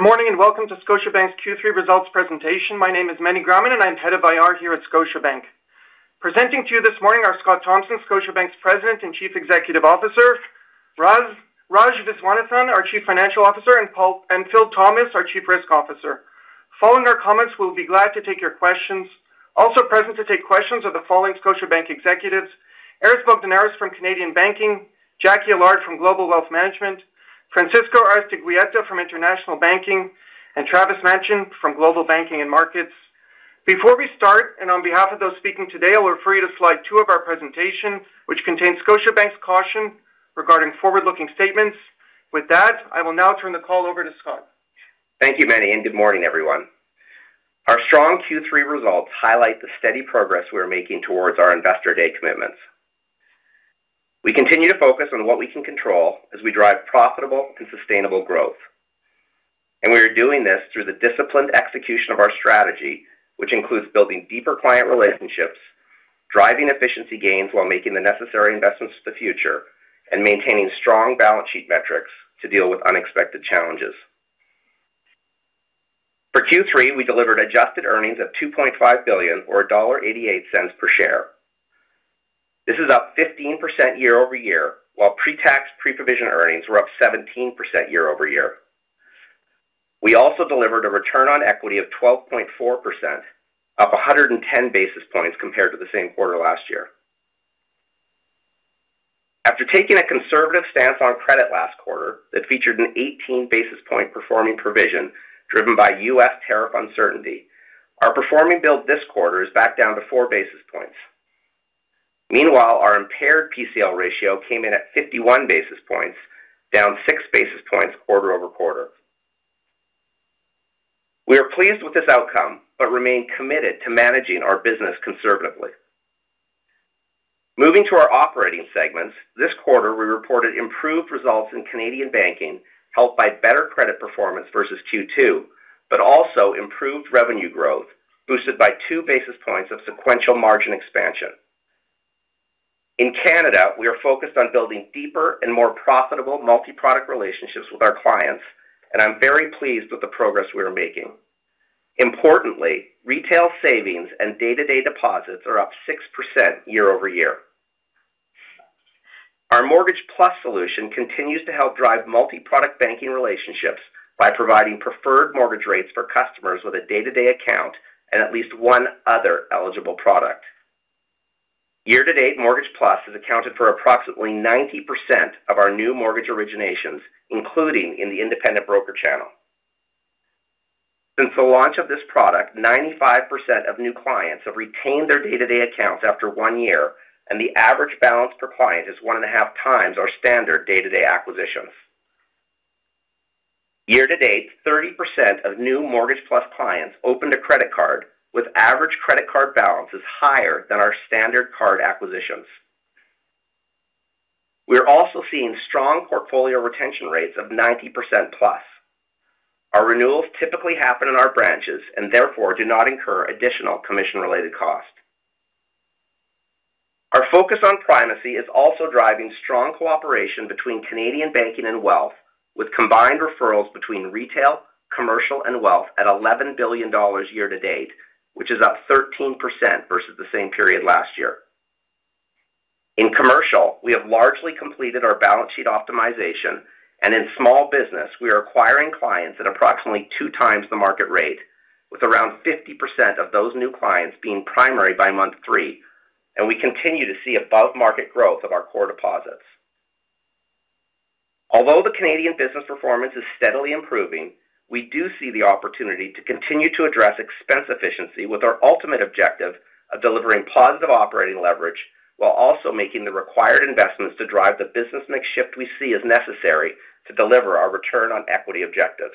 Good morning and welcome to Scotiabank's Q3 Results Presentation. My name is Meny Grauman and I'm Head of IR here at Scotiabank. Presenting to you this morning are Scott Thomson, Scotiabank's President and Chief Executive Officer, Raj Viswanathan, our Chief Financial Officer, and Phil Thomas, our Chief Risk Officer. Following our comments, we'll be glad to take your questions. Also present to take questions are the following Scotiabank executives: Aris Bogdaneris from Canadian Banking, Jacqui Allard from Global Wealth Management, Francisco Aristeguieta from International Banking, and Travis Machen from Global Banking and Markets. Before we start and on behalf of those speaking today, I'll refer you to slide two of our presentation, which contains Scotiabank's caution regarding forward-looking statements. With that, I will now turn the. Call over to Scott. Thank you, Manny, and good morning, everyone. Our strong Q3 results highlight the steady progress we are making towards our Investor Day commitments. We continue to focus on what we can control as we drive profitable and sustainable growth, and we are doing this through the disciplined execution of our strategy, which includes building deeper client relationships, driving efficiency gains while making the necessary investments for the future, and maintaining strong balance sheet metrics to deal with unexpected challenges. For Q3, we delivered adjusted earnings of $2.5 billion, or $1.88 per share. This is up 15% year-over-year, while pre-tax, pre-provision earnings were up 17% year-over-year. We also delivered a return on equity of 12.4%, up 110 basis points compared to the same quarter last year. After taking a conservative stance on credit last quarter that featured an 18 basis point performing provision driven by U.S. tariff uncertainty, our performing build this quarter is back down to 4 basis points. Meanwhile, our impaired PCL ratio came in at 51 basis points, down 6 basis points quarter-over-quarter. We are pleased with this outcome but remain committed to managing our business conservatively. Moving to our operating segments, this quarter we reported improved results in Canadian Banking, helped by better credit performance versus Q2, but also improved revenue growth boosted by 2 basis points of sequential margin expansion. In Canada, we are focused on building deeper and more profitable multi-product relationships with our clients, and I'm very pleased with the progress we are making. Importantly, retail savings and day-to-day deposits are up 6% year-over-year. Our Mortgage+ solution continues to help drive multi-product banking relationships by providing preferred mortgage rates for customers with a day-to-day account and at least one other eligible product. Year to date, Mortgage+ has accounted for approximately 90% of our new mortgage originations, including in the independent broker channel. Since the launch of this product, 95% of new clients have retained their day-to-day accounts after one year, and the average balance per client is 1.5x our standard day-to-day acquisitions. Year to date, 30% of new Mortgage+ clients opened a credit card, with average credit card balances higher than our standard card acquisitions. We are also seeing strong portfolio retention rates of 90%+ our renewals typically happen in our branches and therefore do not incur additional commission-related cost. Our focus on primacy is also driving strong cooperation between Canadian Banking and Wealth with combined referrals between retail, commercial, and wealth at $11 billion year to date, which is up 13% versus the same period last year. In commercial, we have largely completed our balance sheet optimization and in small business we are acquiring clients at approximately 2x the market rate with around 50% of those new clients being primary by month three, and we continue to see above market growth of our core deposits. Although the Canadian business performance is steadily improving, we do see the opportunity to continue to address expense efficiency with our ultimate objective of delivering positive operating leverage while also making the required investments to drive the business mix shift we see as necessary to deliver our return on equity objectives.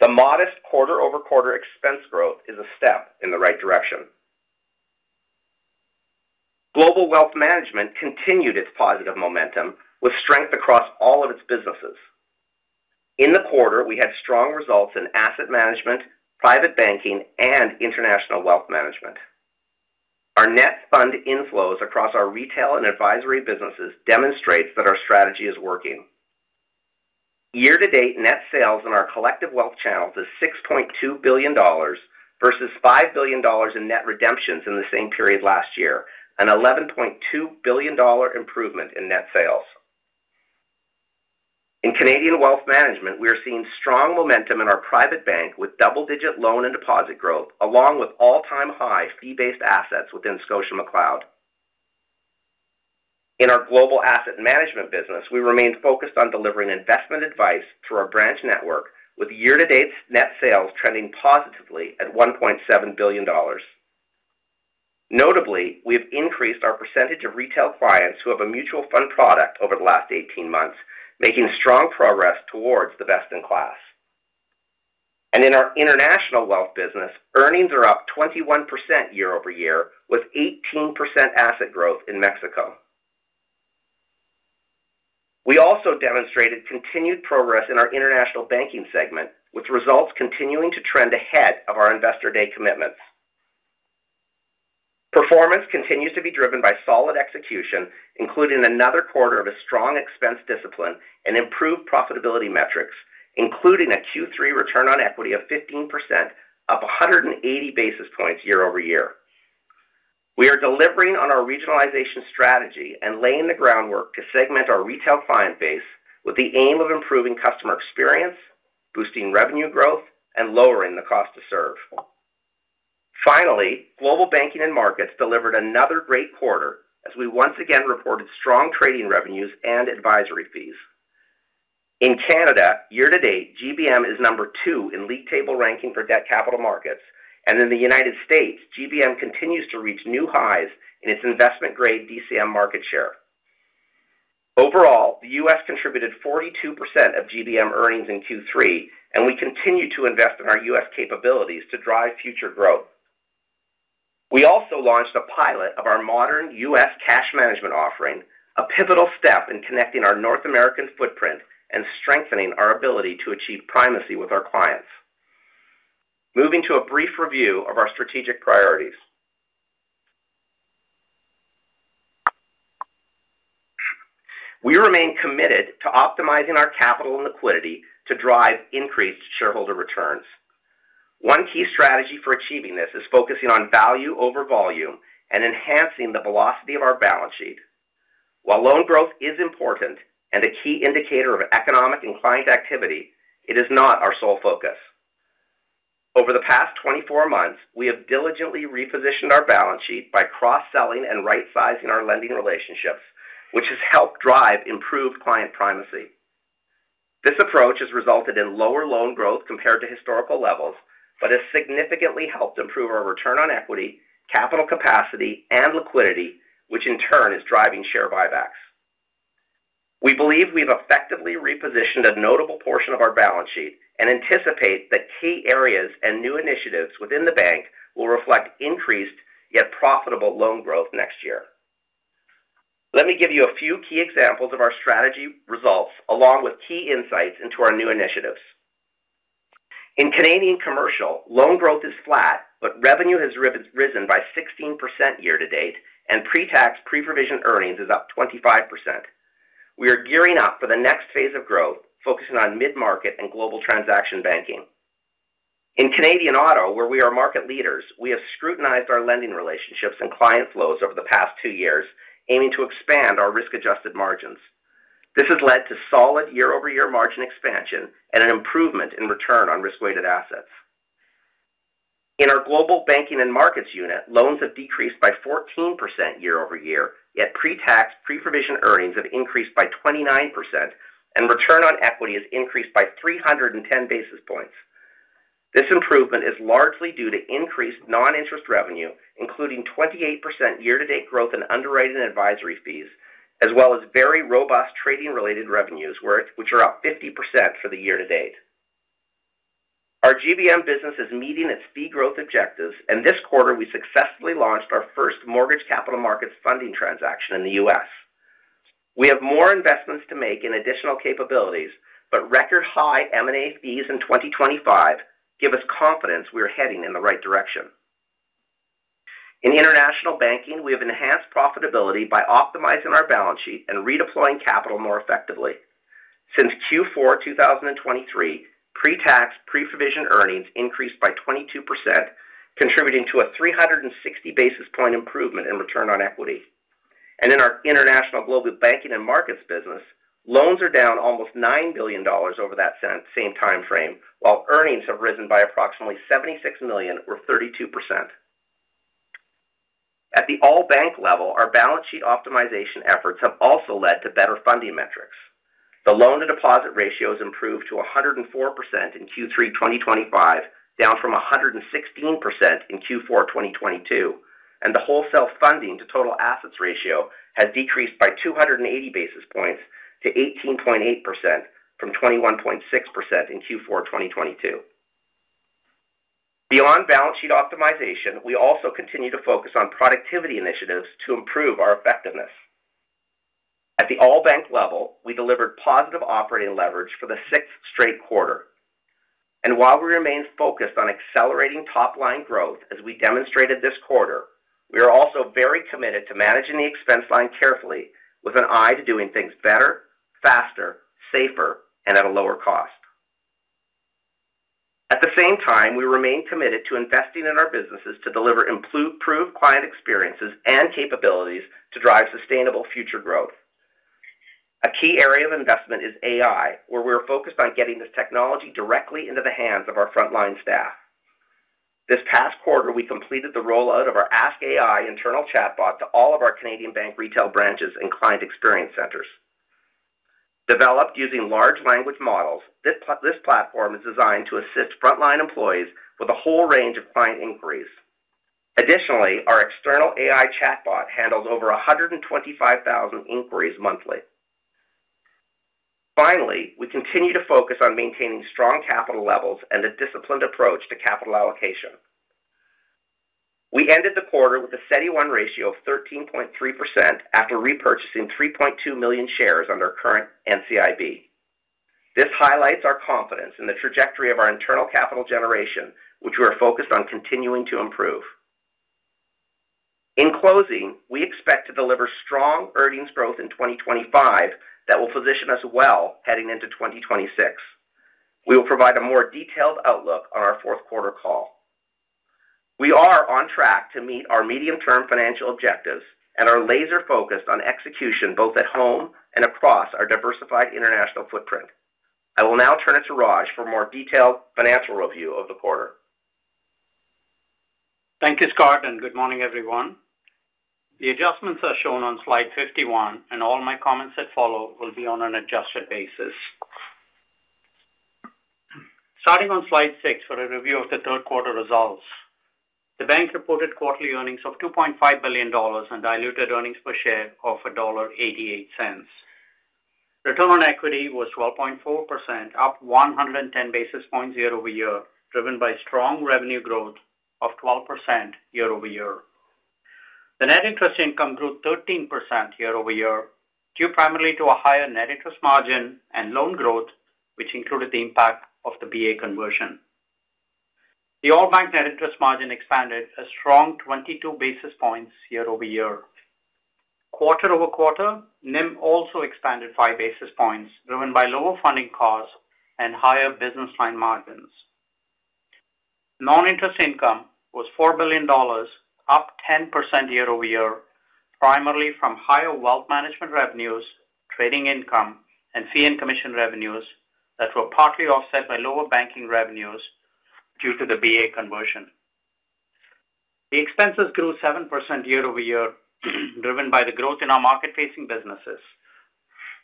The modest quarter-over-quarter expense growth is a step in the right direction. Global Wealth Management continued its positive momentum with strength across all of its businesses in the quarter. We had strong results in Asset Management, Private Banking, and International Wealth Management. Our net fund inflows across our retail and advisory businesses demonstrates that our strategy is working. Year to date net sales in our collective wealth channel to $6.2 billion versus $5 billion in net redemptions in the same period last year, an $11.2 billion improvement in net sales. In Canadian Wealth Management, we are seeing strong momentum in our private bank with double-digit loan and deposit growth along with all-time high fee-based assets within ScotiaMcLeod. In our Global Asset Management business, we remain focused on delivering investment advice through our branch network with year to date net sales trending positively at $1.7 billion. Notably, we have increased our percentage of retail clients who have a mutual fund product over the last 18 months, making strong progress towards the best in class, and in our International Wealth business earnings are up 21% year-over-year with 18% asset growth in Mexico. We also demonstrated continued progress in our International Banking segment with results continuing to trend ahead of our investor day commitments. Performance continues to be driven by solid execution, including another quarter of strong expense discipline and improved profitability metrics, including a Q3 return on equity of 15%, up 180 basis points. year-over-year, we are delivering on our regionalization strategy and laying the groundwork to segment our retail client base with the aim of improving customer experience, boosting revenue growth, and lowering the cost to serve. Finally, Global Banking and Markets delivered another great quarter as we once again reported strong trading revenues and advisory fees in Canada. Year to date, GBM is number two in league table ranking for debt capital markets, and in the U.S., GBM continues to reach new highs in its investment grade DCM market share. Overall, the U.S. contributed 42% of GBM earnings in Q3, and we continue to invest in our U.S. capabilities to drive future growth. We also launched a pilot of our modern U.S. cash management offering, a pivotal step in connecting our North American footprint and strengthening our ability to achieve primacy with our clients. Moving to a brief review of our strategic priorities, we remain committed to optimizing our capital and liquidity to drive increased shareholder returns. One key strategy for achieving this is focusing on value over volume and enhancing the velocity of our balance sheet. While loan growth is important and a key indicator of economic and client activity, it is not our sole focus. Over the past 24 months, we have diligently repositioned our balance sheet by cross selling and rightsizing our lending relationships, which has helped drive improved client primacy. This approach has resulted in lower loan growth compared to historical levels but has significantly helped improve our return on equity, capital capacity, and liquidity, which in turn is driving share buybacks. We believe we've effectively repositioned a notable portion of our balance sheet and anticipate that key areas and new initiatives within the bank will reflect increased yet profitable loan growth next year. Let me give you a few key examples of our strategy results along with key insights into our new initiatives. In Canadian Commercial, loan growth is flat but revenue has risen by 16% year to date, and pre-tax pre-provision earnings is up 25%. We are gearing up for the next phase of growth, focusing on mid market and global transaction banking. In Canadian Auto, where we are market leaders, we have scrutinized our lending relationships and client flows over the past two years, aiming to expand our risk-adjusted margins. This has led to solid year-over-year margin expansion and an improvement in return on risk-weighted assets. In our Global Banking and Markets unit, loans have decreased by 14% year-over-year, yet pre-tax, pre-provision earnings have increased by 29%, and return on equity has increased by 310 basis points. This improvement is largely due to increased non-interest revenue, including 28% year-to-date growth in underwriting advisory fees, as well as very robust trading-related revenues, which are up 50% for the year to date. Our GBM business is meeting its fee growth objectives, and this quarter we successfully launched our first mortgage capital markets funding transaction in the U.S. We have more investments to make in additional capabilities, but record high M&A fees in 2025 give us confidence we are heading in the right direction. In International Banking, we have enhanced profitability by optimizing our balance sheet and redeploying capital more effectively. Since Q4 2023, pre-tax, pre-provision earnings increased by 22%, contributing to a 360 basis point improvement in return on equity. In our International Global Banking and Markets business, loans are down almost $9 billion over that same time frame, while earnings have risen by approximately $76 million, or 32%, at the all-bank level. Our balance sheet optimization efforts have also led to better funding metrics. The loan-to-deposit ratio improved to 104% in Q3 2025, down from 116% in Q4 2022, and the wholesale funding to total assets ratio has decreased by 280 basis points to 18.8% from 21.6% in Q4 2022. Beyond balance sheet optimization, we also continue to focus on productivity initiatives to improve our effectiveness at the all-bank level. We delivered positive operating leverage for the sixth straight quarter, and while we remain focused on accelerating top-line growth as we demonstrated this quarter, we are also very committed to managing the expense line carefully with an eye to doing things better, faster, safer, and at a lower cost. At the same time, we remain committed to investing in our businesses to deliver improved client experiences and capabilities to drive sustainable future growth. A key area of investment is AI, where we are focused on getting this technology directly into the hands of our frontline staff. This past quarter we completed the rollout of our AskAI internal chatbot to all of our Canadian bank retail branches and client experience centers. Developed using large language models, this platform is designed to assist frontline employees with a whole range of client inquiries. Additionally, our external AI chatbot handles over 125,000 inquiries monthly. Finally, we continue to focus on maintaining strong capital levels and a disciplined approach to capital allocation. We ended the quarter with a CET1 capital ratio of 13.3% after repurchasing 3.2 million shares under current NCIB. This highlights our confidence in the trajectory of our internal capital generation with which we are focused on continuing to improve. In closing, we expect to deliver strong earnings growth in 2025 that will position us well heading into 2026. We will provide a more detailed outlook. On our fourth quarter call. We are on track to meet our medium-term financial objectives and are laser focused on execution both at home and across our diversified international footprint. I will now turn it to Raj for a more detailed financial review of the quarter. Thank you, Scott, and good morning, everyone. The adjustments are shown on slide 51, and all my comments that follow will be on an adjusted basis. Starting on slide six for a review of the third quarter results, the bank reported quarterly earnings of $2.5 billion and diluted earnings per share of $1.88. Return on equity was 12.4%, up 110 basis points year-over-year, driven by strong revenue growth of 12% year-over-year. The net interest income grew 13% year-over-year due primarily to a higher net interest margin and loan growth, which included the impact of the BA conversion. The all bank net interest margin expanded a strong 22 basis points year-over-year, quarter-over-quarter. NIM also expanded five basis points, driven by lower funding costs and higher business line margins. Non-interest income was $4 billion, up 10% year-over-year, primarily from higher wealth management revenues, trading income, and fee and commission revenues that were partly offset by lower banking revenues due to the BA conversion. The expenses grew 7% year-over-year, driven by the growth in our market-facing businesses.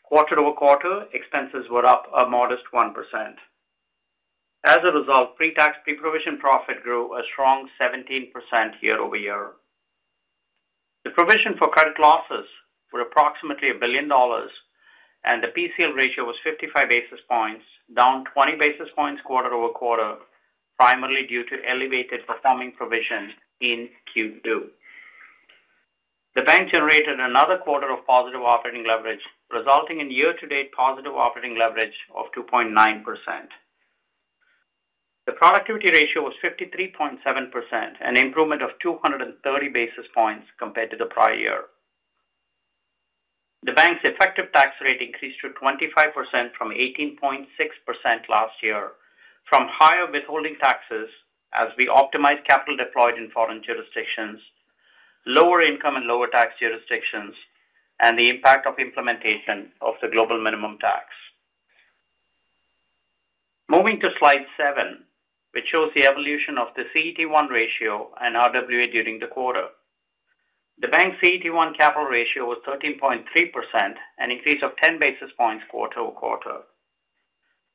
quarter-over-quarter, expenses were up a modest 1%. As a result, pre-tax pre-provision profit grew a strong 17% year-over-year. The provision for credit losses were approximately $1 billion, and the PCL ratio was 55 basis points, down 20 basis points quarter-over-quarter, primarily due to elevated performing provisions. In Q2, the bank generated another quarter of positive operating leverage, resulting in year-to-date positive operating leverage of 2.9%. The productivity ratio was 53.7%, an improvement of 230 basis points compared to the prior year. The bank's effective tax rate increased to 25% from 18.6% last year from higher withholding taxes as we optimize capital deployed in foreign jurisdictions, lower income and lower tax jurisdictions, and the impact of implementation of the Global Minimum tax. Moving to slide seven, which shows the evolution of the CET1 ratio and RWA during the quarter, the bank's CET1 capital ratio was 13.3%, an increase of 10 basis points quarter-over-quarter.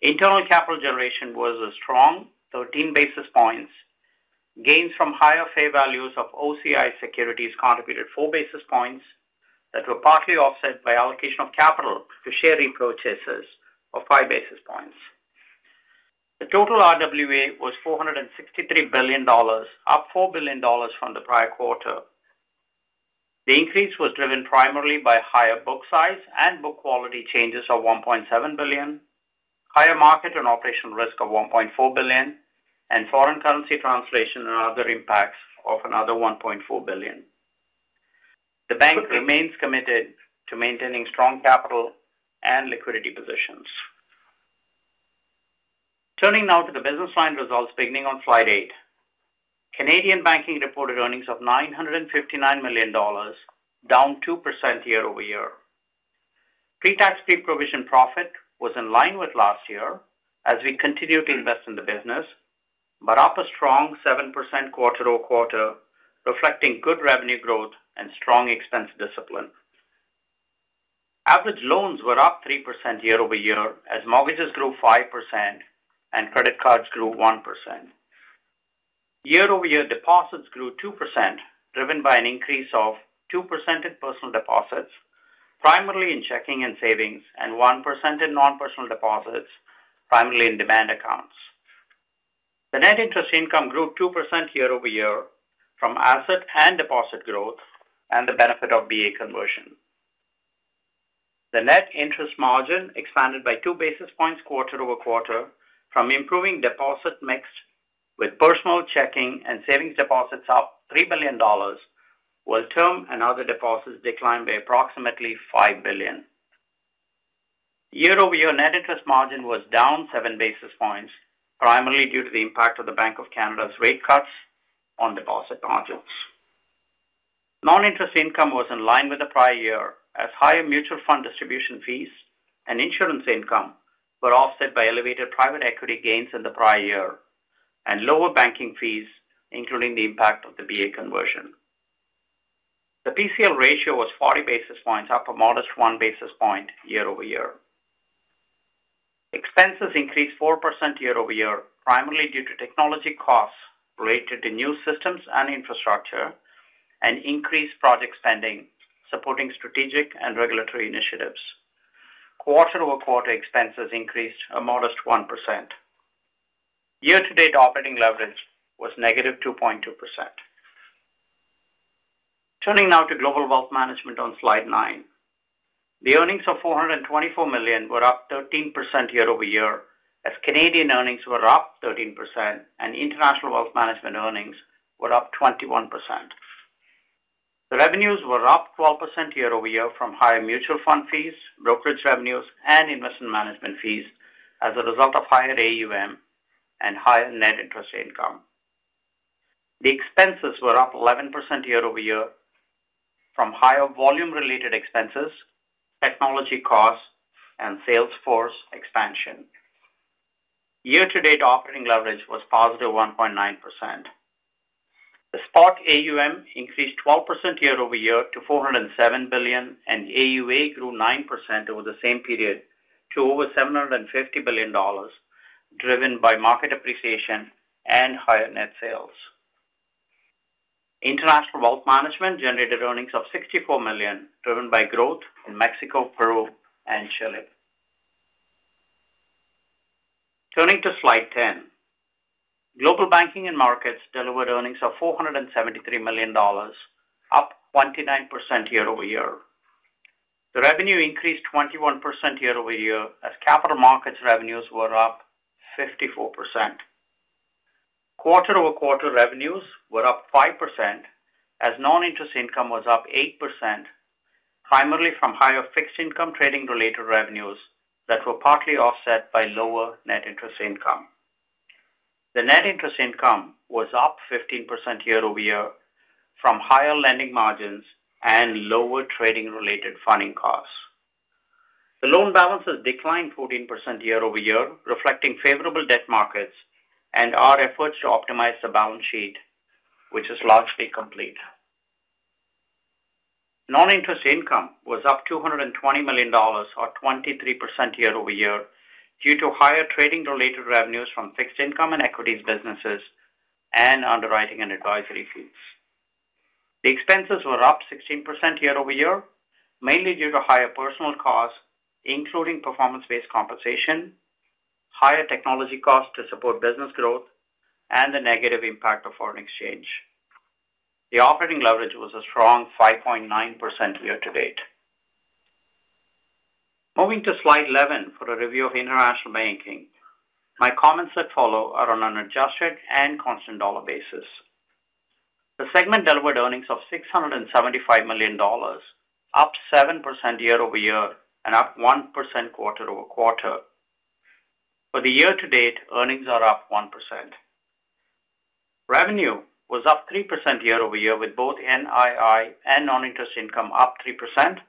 Internal capital generation was a strong 13 basis points. Gains from higher fair values of OCI securities contributed four basis points that were partly offset by allocation of capital to share repurchases of 5 basis points. The total RWA was $463 billion, up $4 billion from the prior quarter. The increase was driven primarily by higher book size and book quality changes of $1.7 billion, higher market and operational risk of $1.4 billion, and foreign currency translation and other impacts of another $1.4 billion. The bank remains committed to maintaining strong capital and liquidity positions. Turning now to the business line results. Beginning on slide eight, Canadian Banking reported earnings of $959 million, down 2% year-over-year. Pre-tax, pre-provision profit was in line with last year as we continue to invest in the business, but up a strong 7% quarter-over-quarter, reflecting good revenue growth and strong expense discipline. Average loans were up 3% year-over-year as mortgages grew 5% and credit cards grew 1% year-over-year. Deposits grew 2%, driven by an increase of 2% in personal deposits, primarily in checking and savings, and 1% in non-personal deposits, primarily in demand accounts. The net interest income grew 2% year-over-year from asset and deposit growth and the benefit of BA conversion. The net interest margin expanded by 2 basis points quarter-over-quarter from improving deposit mix with personal checking and savings deposits of $3 billion, while term and other deposits declined by approximately $5 billion year-over-year. Net interest margin was down 7 basis points primarily due to the impact of the Bank of Canada's rate cuts on deposit margins. Non-interest income was in line with the prior year as higher mutual fund distribution fees and insurance income were offset by elevated private equity gains in the prior year and lower banking fees including the impact of the BA conversion. The PCL ratio was 40 basis points, up a modest 1 basis point year-over-year. Expenses increased 4% year-over-year primarily due to technology costs related to new systems and infrastructure and increased project spending supporting strategic and regulatory initiatives. quarter-over-quarter, expenses increased a modest 1%. Year to date, operating leverage was -2.2%. Turning now to Global Wealth Management on slide nine, the earnings of $424 million were up 13% year-over-year as Canadian earnings were up 13% and International Wealth Management earnings were up 21%. The revenues were up 12% year-over-year from higher mutual fund fees, brokerage revenues, and investment management fees as a result of higher AUM and higher net interest income. The expenses were up 11% year-over-year from higher volume-related expenses, technology costs, and sales force expansion year to date. Operating leverage was +1.9%. The spot AUM increased 12% year-over-year to $407 billion, and AUA grew 9% over the same period to over $750 billion, driven by market appreciation and higher net sales. International Wealth Management generated earnings of $64 million, driven by growth in Mexico and Peru. Turning to slide 10, Global Banking and Markets delivered earnings of $473 million, up 29% year-over-year. The revenue increased 21% year-over-year as Capital Markets revenues were up 54% quarter-over-quarter. Revenues were up 5% as non-interest income was up 8%, primarily from higher fixed income trading-related revenues that were partly offset by lower net interest income. The net interest income was up 15% year-over-year from higher lending margins and lower trading-related funding costs. The loan balances declined 14% year-over-year, reflecting favorable debt markets and our efforts to optimize the balance sheet, which is largely complete. Non-interest income was up $220 million or 23% year-over-year due to higher trading-related revenues from fixed income and equities businesses and underwriting and advisory fees. The expenses were up 16% year-over-year, mainly due to higher personnel costs, including performance-based compensation, higher technology costs to support business growth, and the negative impact of foreign exchange. The operating leverage was a strong 5.9% year to date. Moving to slide 11 for a review of International Banking, my comments that follow are on an adjusted and constant dollar basis. The segment delivered earnings of $675 million, up 7% year-over-year and up 1% quarter-over-quarter. For the year to date, earnings are up 1%. Revenue was up 3% year-over-year, with both NII and non-interest income up 3%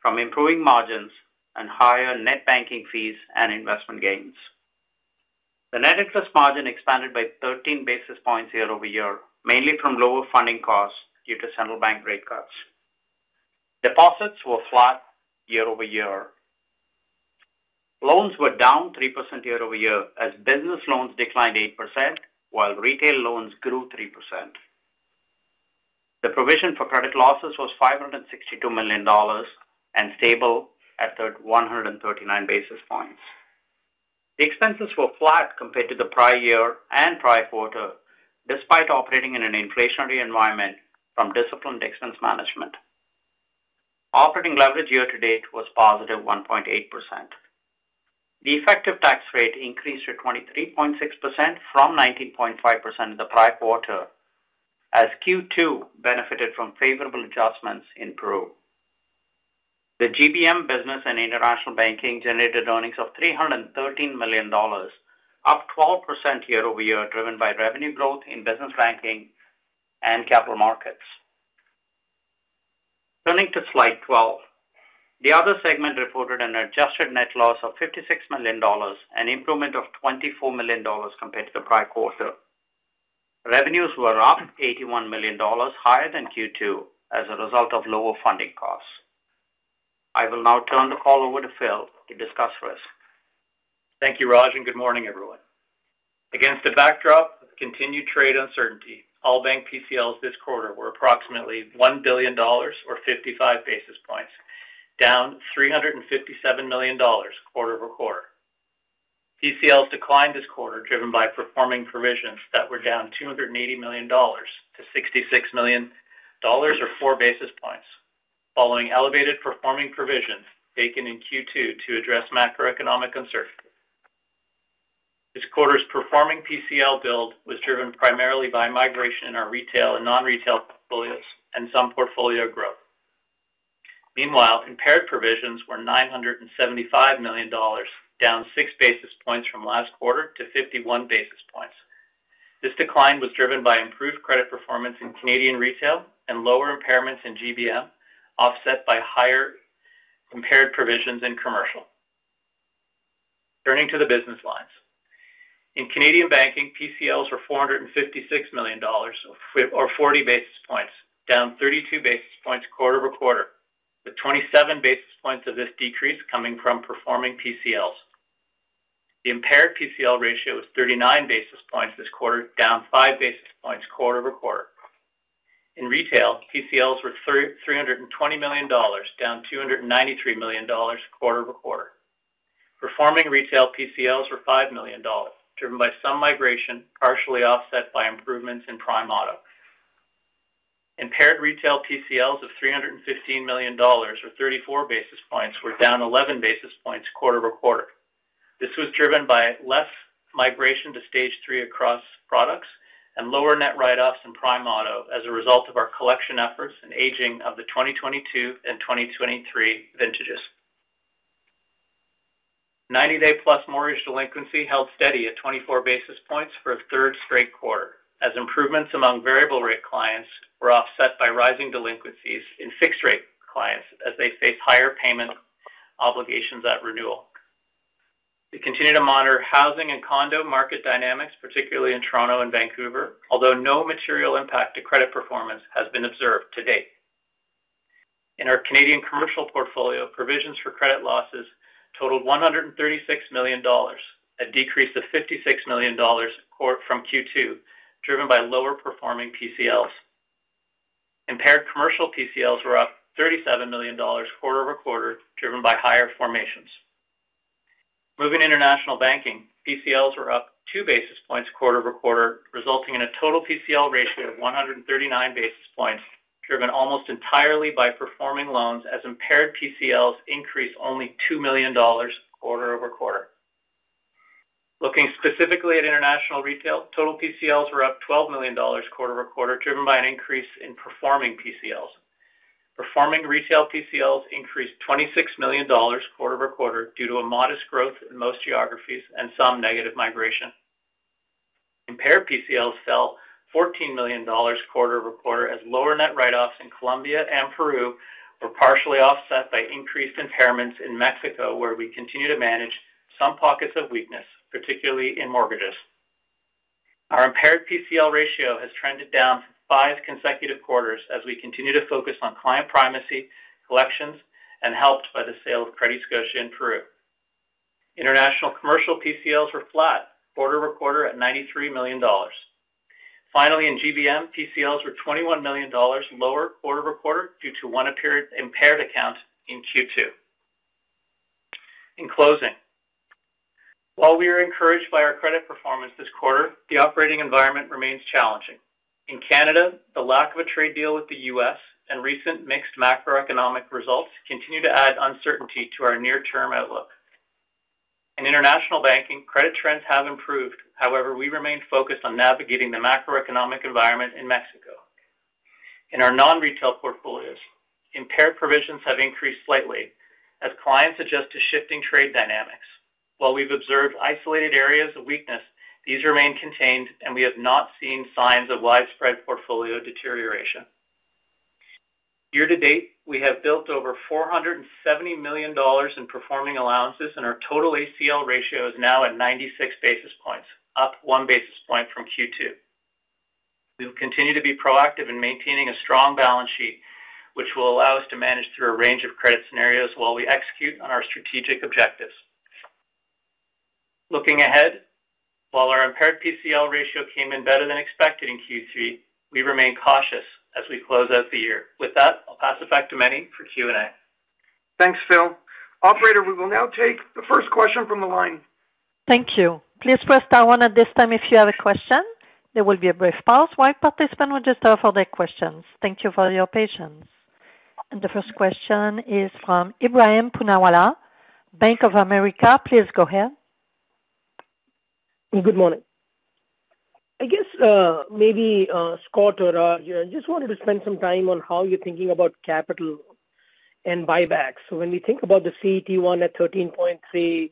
from improving margins and higher net banking fees and investment gains. The net interest margin expanded by 13 basis points year-over-year, mainly from lower funding costs due to central bank rate cuts. Deposits were flat year-over-year. Loans were down 3% year-over-year as business loans declined 8% while retail loans grew 3%. The provision for credit losses was $562 million and stable at 139 basis points. Expenses were flat compared to the prior year and prior quarter despite operating in an inflationary environment from disciplined expense management. Operating leverage year to date was +1.8%. The effective tax rate increased to 23.6% from 19.5% in the prior quarter as Q2 benefited from favorable adjustments. In Peru, the GBM business and International Banking generated earnings of $313 million, up 12% year-over-year driven by revenue growth in business banking and capital markets. Turning to Slide 12, the Other segment reported an adjusted net loss of $56 million, an improvement of $24 million compared to the prior quarter. Revenues were $81 million higher than Q2 as a result of lower funding costs. I will now turn the call over. To Phil to discuss risk. Thank you Raj and good morning everyone. Against a backdrop of continued trade uncertainty, all bank PCLs this quarter were approximately $1 billion or 55 basis points, down $357 million quarter-over-quarter. PCLs declined this quarter driven by performing provisions that were down $280 million to $66 million or 4 basis points. Following elevated performing provisions taken in Q2 to address macroeconomic uncertainty, this quarter's performing PCL build was driven primarily by migration in our retail and non-retail portfolios and some portfolio growth. Meanwhile, impaired provisions were $975 million, down 6 basis points from last quarter to 51 basis points. This decline was driven by improved credit performance in Canadian retail and lower impairments in GBM, offset by higher compared provisions in commercial. Turning to the business lines, in Canadian Banking, PCLs were $456 million or 40 basis points, down 32 basis points quarter-over-quarter with 27 basis points of this decrease coming from performing PCLs. The impaired PCL ratio was 39 basis points this quarter, down 5 basis points quarter-over-quarter. In retail, PCLs were $320 million, down $293 million quarter-over-quarter. Performing retail PCLs were $5 million, driven by some migration partially offset by improvements in prime auto. Impaired retail PCLs of $315 million or 34 basis points were down 11 basis points quarter-over-quarter. This was driven by less migration to stage three across products and lower net write-offs in prime auto as a result of our collection efforts and aging of the 2022 and 2023. Vintages. 90-day+ mortgage delinquency held steady at 24 basis points for a third straight quarter as improvements among variable rate clients were offset by rising delinquencies in fixed rate clients as they face higher payment obligations at renewal. We continue to monitor housing and condo market dynamics, particularly in Toronto and Vancouver, although no material impact to credit performance has been observed to date. In our Canadian commercial portfolio, provisions for credit losses totaled $136 million, a decrease of $56 million from Q2 driven by lower performing PCLs. Impaired commercial PCLs were up $37 million quarter-over-quarter, driven by higher formations. Moving to International Banking, PCLs were up 2 basis points quarter-over-quarter, resulting in a total PCL ratio of 139 basis points driven almost entirely by performing loans as impaired PCLs increased only $2 million quarter-over-quarter. Looking specifically at international retail, total PCLs were up $12 million quarter-over-quarter driven by an increase in performing PCLs. Performing retail PCLs increased $26 million quarter-over-quarter due to a modest growth in most geographies and some negative migration. Impaired PCLs fell $14 million quarter-over-quarter as lower net write-offs in Colombia and Peru were partially offset by increased impairments. In Mexico, where we continue to manage some pockets of weakness, particularly in mortgages, our impaired PCL ratio has trended down for five consecutive quarters as we continue to focus on client primacy, collections, and helped by the sale of Credit Scotia in Peru, international commercial PCLs were flat quarter-over-quarter at $93 million. Finally, in GBM, PCLs were $21 million lower quarter-over-quarter due to one impaired account in Q2. In closing, while we were encouraged by our credit performance this quarter, the operating environment remains challenging. In Canada, the lack of a trade deal with the U.S. and recent mixed macroeconomic results continue to add uncertainty to our near-term outlook. In International Banking, credit trends have improved. However, we remain focused on navigating the macroeconomic environment in Mexico. In our non-retail portfolios, impaired provisions have increased slightly as clients adjust to shifting trade dynamics. While we've observed isolated areas of weakness, these remain contained and we have not seen signs of widespread portfolio deterioration. Year to date, we have built over $470 million in performing allowances and our total ACL ratio is now at 96 basis points, up 1 basis point from Q2. We will continue to be proactive in maintaining a strong balance sheet, which will allow us to manage through a range of credit scenarios while we execute on our strategic objectives. Looking ahead, while our impaired PCL ratio came in better than expected in Q3, we remain cautious as we close out the year. With that, I'll pass it back to Meny for Q&A. Thanks, Phil. Operator, we will now take the first question from the line. Thank you. Please press star one at this time if you have a question. There will be a brief pause while participants register for their questions. Thank you for your patience. The first question is from Ebrahim Poonawala, Bank of America. Please go ahead. Good morning. I guess maybe Scott, I just wanted to spend some time on how you're thinking about capital and buybacks. When we think about the CET1 at 13.3%,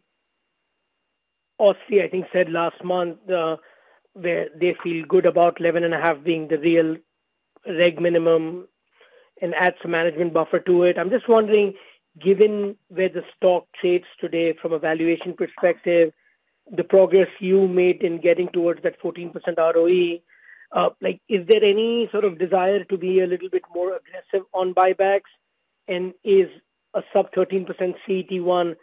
Aris, I think, said last month where they feel good about 11.5% being the real regulatory minimum and add some management buffer to it. I'm just wondering, given where the stock trades today from a valuation perspective, the progress you made in getting towards that 14% ROE, is there any sort of desire to be a little bit more aggressive on buybacks? Is a sub 13% CET1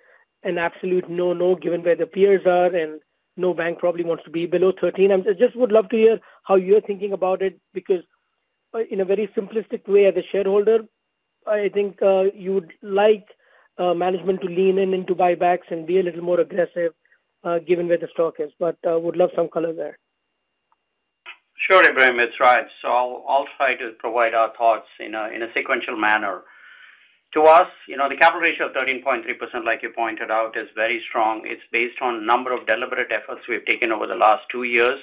an absolute no? No. Given where the peers are and no bank probably wants to be below 13%. I just would love to hear how you're thinking about it. Because. Because in a very simplistic way as a shareholder, I think you would like management to lean in into share buybacks and be a little more aggressive given where the stock is. Would love some color there. Sure, Ebrahim, it's right. I'll try to provide our thoughts in a sequential manner to you. The capital ratio of 13.3%, like you pointed out, is very strong. It's based on a number of deliberate efforts we've taken over the last two years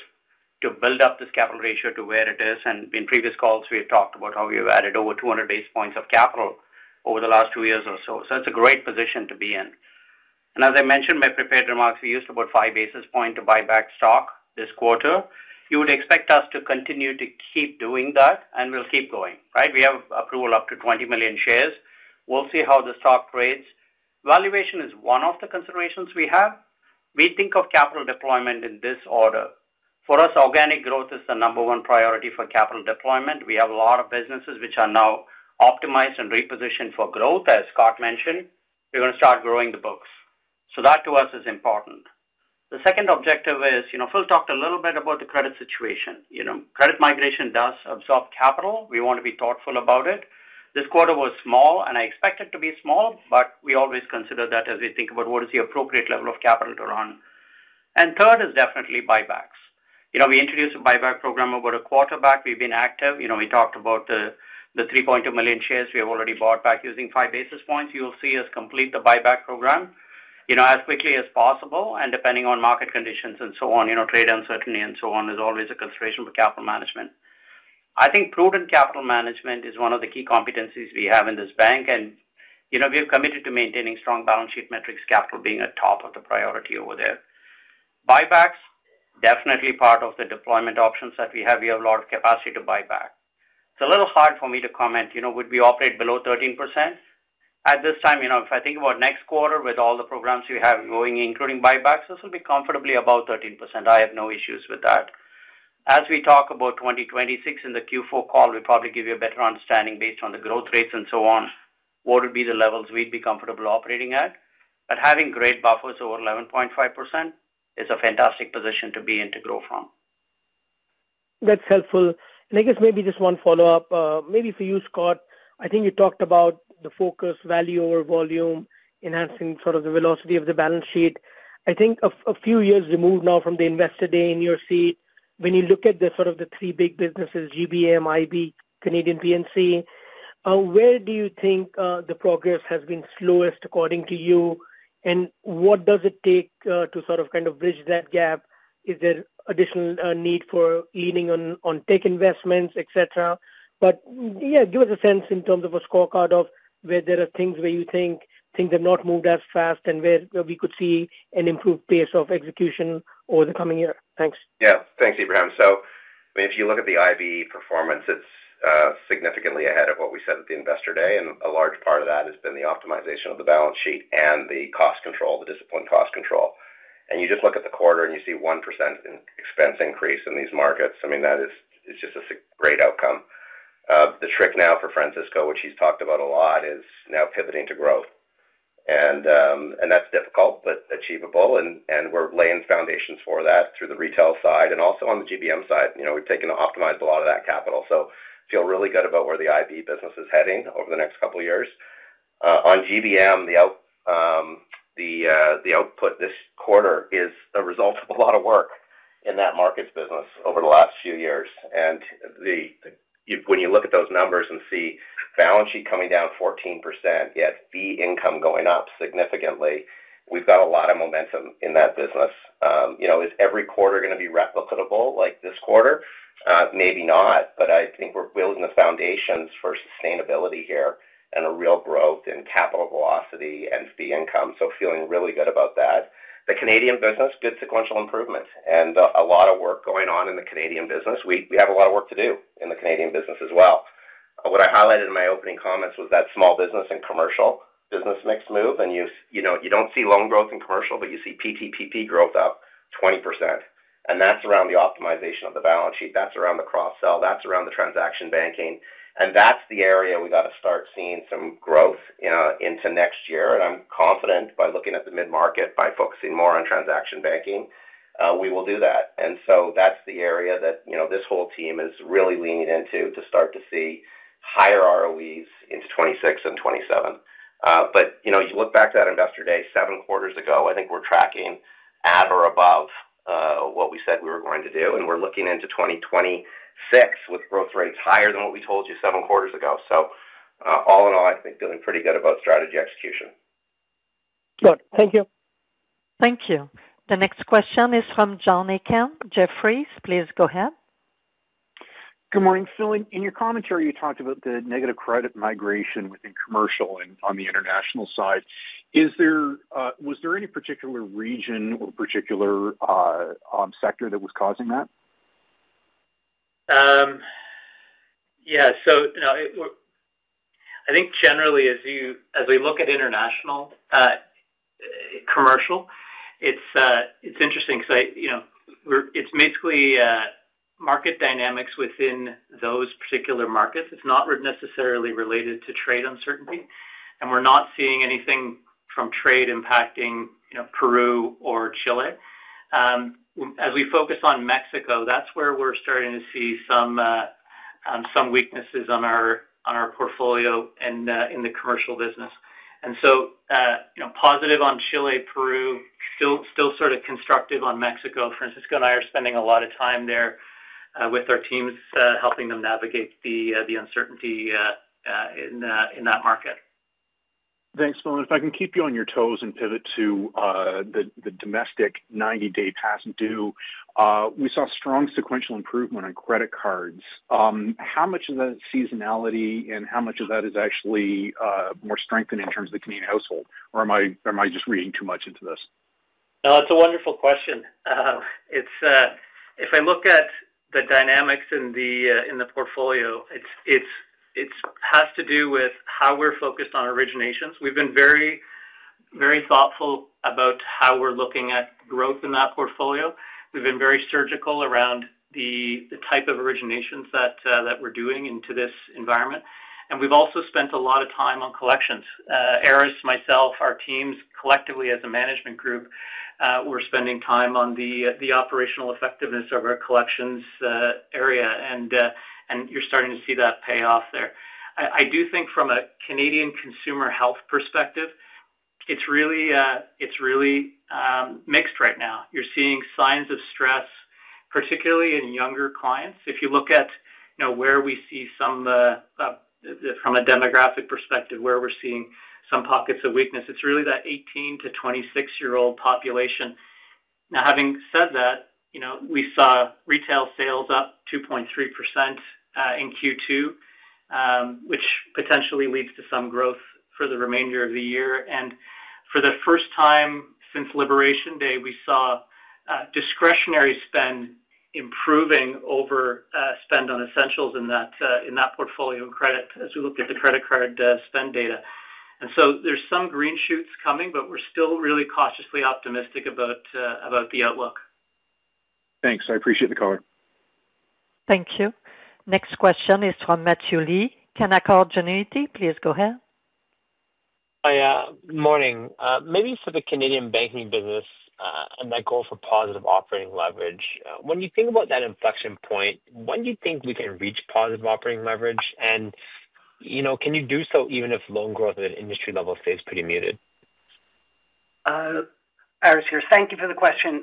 to build up this capital ratio to where it is. In previous calls, we talked about how we've added over 200 basis points of capital over the last two years or so. It's a great position to be in. As I mentioned in my prepared remarks, we used about 5 basis points to buy back stock this quarter. You would expect us to continue to keep doing that and we'll keep going. Right. We have approval up to 20 million shares. We'll see how the stock rates. Valuation is one of the considerations we have. We think of capital deployment in this order. For us, organic growth is the number one priority for capital deployment. We have a lot of businesses which are now optimized and repositioned for growth. As Scott mentioned, we're going to start growing the books so that to us is important. The second objective is, Phil talked a little bit about the credit situation. Credit migration does absorb capital. We want to be thoughtful about it. This quarter was small and I expect it to be small. We always consider that as we think about what is the appropriate level of capital to run. Third is definitely buybacks. We introduced a buyback program over a quarter back. We've been active. We talked about the 3.2 million shares we have already bought back using 5 basis points. You'll see us complete the buyback program as quickly as possible and depending on market conditions and so on, trade uncertainty and so on. There's always a consideration for capital management. I think prudent capital management is one of the key competencies we have in this bank. You know, we are committed to maintaining strong balance sheet metrics. Capital being a top of the priority over there, buybacks definitely part of the deployment options that we have. We have a lot of capacity to buy back. It's a little hard for me to comment, you know, would we operate below 13% at this time? If I think about next quarter, with all the programs you have going, including buybacks, this will be comfortably about 13%. I have no issues with that. As we talk about 2026 in the Q4 call, we'll probably give you a better understanding based on the growth rates and so on, what would be the levels we'd be comfortable operating at. Having great buffers over 11.5% is a fantastic position to be in to grow from. That's helpful, and I guess maybe just one follow-up, maybe for you, Scott. I think you talked about the focus value or volume enhancing sort of the velocity of the balance sheet. I think a few years removed now from the investor day in your seat, when you look at the sort of the three big businesses, GBM, IB, Canadian, PNC, where do you think the progress has been slowest according to you, and what does it take to sort of kind of bridge that gap? Is there additional need for leaning on tech investments, etc.? Give us a sense in terms of a scorecard of where there are things where you think things have not moved as fast and where we could see an improved pace of execution over the coming year. Thanks. Yeah, thanks Ebrahim. If you look at the IBE performance, it's significantly ahead of what we said at the Investor Day. A large part of that has been the optimization of the balance sheet and the disciplined cost control. You just look at the quarter and you see 1% expense increase in these markets. That is just a great outcome. The trick now for Francisco, which he's talked about a lot, is now pivoting to growth and that's difficult but achievable. We're laying foundations for that through the retail side and also on the GBM side we've optimized a lot of that capital, so feel really good about where the IV business is heading over the next couple years. On GBM, the output this quarter is a result of a lot of work in that markets business over the last few years. When you look at those numbers and see balance sheet coming down 14%, yet fee income going up significantly, we've got a lot of momentum in that business. Is every quarter going to be replicable like this quarter? Maybe not, but I think we're building the foundations for sustainability here and a real growth in capital velocity and fee income. Feeling really good about that. The Canadian business, good sequential improvement and a lot of work going on in the Canadian business. We have a lot of work to do in the Canadian business as well. What I highlighted in my opening comments was that small business and commercial business mix move and you don't see loan growth in commercial but you see PTPP growth up 20% and that's around the optimization of the balance sheet. That's around the cross sell, that's around the transaction banking and that's the area we got to start seeing some growth into next year. I'm confident by looking at the mid market, by focusing more on transaction banking, we will do that. That's the area that this whole team is really leaning into to start to see higher ROEs into 2026 and 2027. You look back to that investor day seven quarters ago, I think we're tracking at or above what we said we were going to do and we're looking into 2026 with growth rates higher than what we told you seven quarters ago. All in all, I think feeling pretty good about strategy execution. Good. Thank you. Thank you. The next question is from John Aiken, Jefferies. Please go ahead. Good morning, Phil. In your commentary, you talked about the. Negative credit migration within commercial and on the international side. Is there, was there any particular region? Or particular sector that was causing that? Yeah. I think generally as we look at International Commercial, it's interesting because it's basically market dynamics within those particular markets. It's not necessarily related to trade uncertainty, and we're not seeing anything from trade impacting Peru or Chile. As we focus on Mexico, that's where we're starting to see some weaknesses on our portfolio and in the commercial business, and so positive on Chile. Peru still sort of constructive on Mexico. Francisco and I are spending a lot of time there with our teams helping them navigate the uncertainty in that market. Thanks, Phil. If I can keep you on. Your toes and pivot to the domestic 90 day past due, we saw. Strong sequential improvement on credit cards. How much of the seasonality and how much of that is actually more strengthened in terms of the Canadian household? Or am I just reading too much into this? It's a wonderful question. If I look at the dynamics in the portfolio, it has to do with how we're focused on originations. We've been very thoughtful about how we're looking at growth in that portfolio. We've been very surgical around the type of originations that we're doing into this environment. We've also spent a lot of time on collections. Aris, myself, our teams collectively as a management group were spending time on the operational effectiveness of our collections area, and you're starting to see that payoff there. I do think from a Canadian consumer health perspective, it's really mixed right now. You're seeing signs of stress, particularly in younger clients. If you look at where we see some from a demographic perspective, where we're seeing some pockets of weakness, it's really that 18-26 year old population. Now, having said that, we saw retail sales up 2.3% in Q2, which potentially leads to some growth for the remainder of the year. For the first time since Liberation Day, we saw discretionary spend improving over spend on essentials in that portfolio and credit as we looked at the credit card spend data. There are some green shoots coming, but we're still really cautiously optimistic about the outlook. Thanks, I appreciate the caller. Thank you. Next question is from Matthew Lee Canaccord Genuity, please? Go ahead. Hi, good morning. Maybe for the Canadian Banking business and that goal for positive operating leverage, when. You think about that inflection point, when do you think we can reach positive? Operating leverage, and you know, can you do so even if loan growth at. Industry level stays pretty muted? Thank you for the question.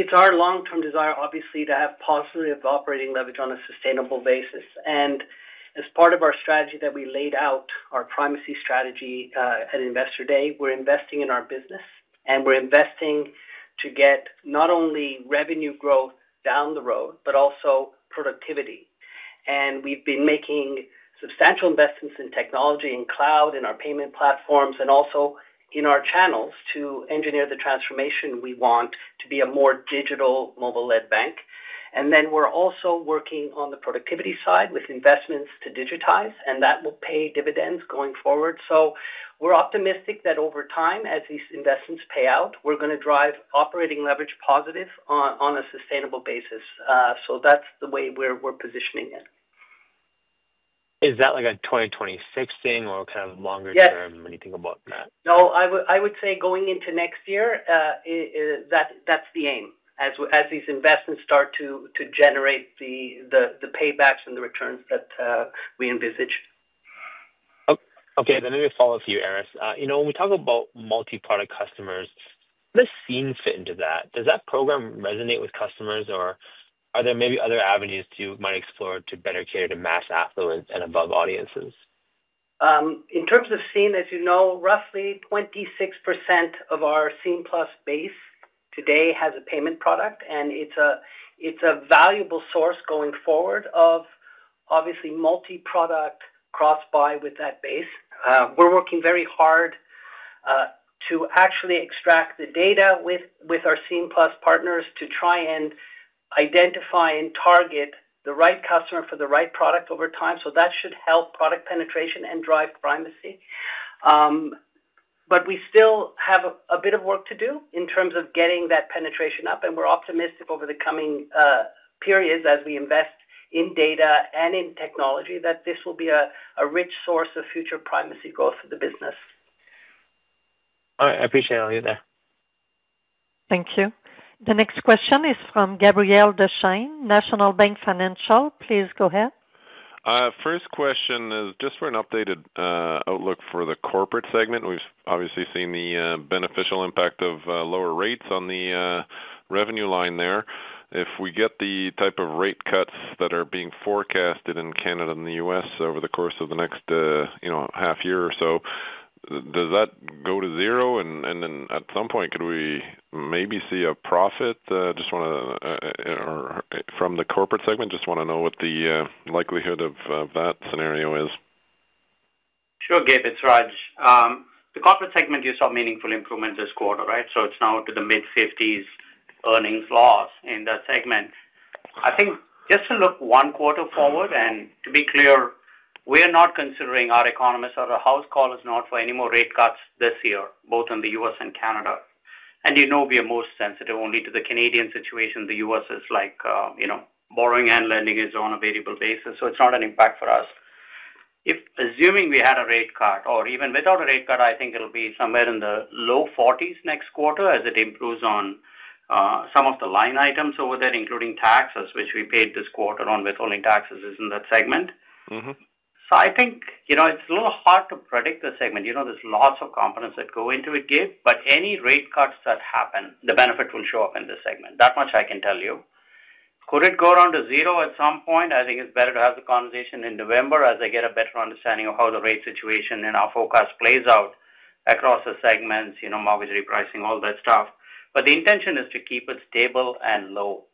It's our long-term desire, obviously, to have positive operating leverage on a sustainable basis. As part of our strategy that we laid out, our primacy strategy at Investor Day, we're investing in our business and we're investing to get not only revenue growth down the road, but also productivity. We've been making substantial investments in technology and cloud, in our payment platforms, and also in our channels to engineer the transformation. We want to be a more digital, mobile-led bank. We're also working on the productivity side with investments to digitize, and that will pay dividends going forward. We're optimistic that over time, as these investments pay out, we're going to drive operating leverage positive on a sustainable basis. That's the way we're positioning it. Is that like a 2026 thing or kind of longer term when you think about that? No, I would say going into next year, that's the aim. As these investments start to generate the. Paybacks and the returns that we envisaged. Okay, then I'm going to follow up for you, Aris. When we talk about multi-product customers. How does Scene fit into that? Does that program resonate with customers, or are there maybe other avenues you might explore to better cater to mass affluent? Above audiences in terms of Scene, as you know, roughly 26% of our Scene+ base today has a payment product, and it's a valuable source going forward of obviously multi-product cross-buy with that base. We're working very hard to actually extract the data with our Scene+ partners to try and identify and target the right customer for the right product over time. That should help product penetration and drive primacy. We still have a bit of. Work to do in terms of getting that penetration up, and we're optimistic over the coming periods as we invest in data and in technology that this will be a rich source of future primacy. Growth for the business. I appreciate all you there. Thank you. The next question is from Gabriel Dechaine, National Bank Financial. Please go ahead. First question is just for an updated outlook for the corporate segment. We've obviously seen the beneficial impact of lower rates on the revenue line there. If we get the type of rate cuts that are being forecasted in Canada and the U.S. over the course of the next half year or so, does that go to zero and then at some point could we maybe see a profit? Just want to know what the likelihood of that scenario is. Sure. Gabe, it's Raj. The corporate segment, you saw meaningful improvement this quarter, right? It's now to the mid-50s earnings loss in that segment. Just to look one quarter forward and to be clear, we are not considering, our economists or our house call is not for any more rate cuts this year both in the U.S. and Canada. You know, we are most sensitive only to the Canadian situation. The U.S. is like, you know, borrowing and lending is on a variable basis. It's not an impact for us if, assuming we had a rate cut or even without a rate cut, I think it'll be somewhere in the low 40s next quarter as it improves on some of the line items over there, including taxes, which we paid this quarter on withholding taxes in that segment. I think, you know, it's a little hard to predict the segment. There's lots of confidence that go into it. Any rate cuts that happen, the benefit will show up in this segment. That much I can tell you. Could it go down to zero at some point? I think it's better to have the conversation in November as I get a better understanding of how the rate situation in our forecast plays out across the segments, you know, mortgage repricing, all that stuff. The intention is to keep it stable and low,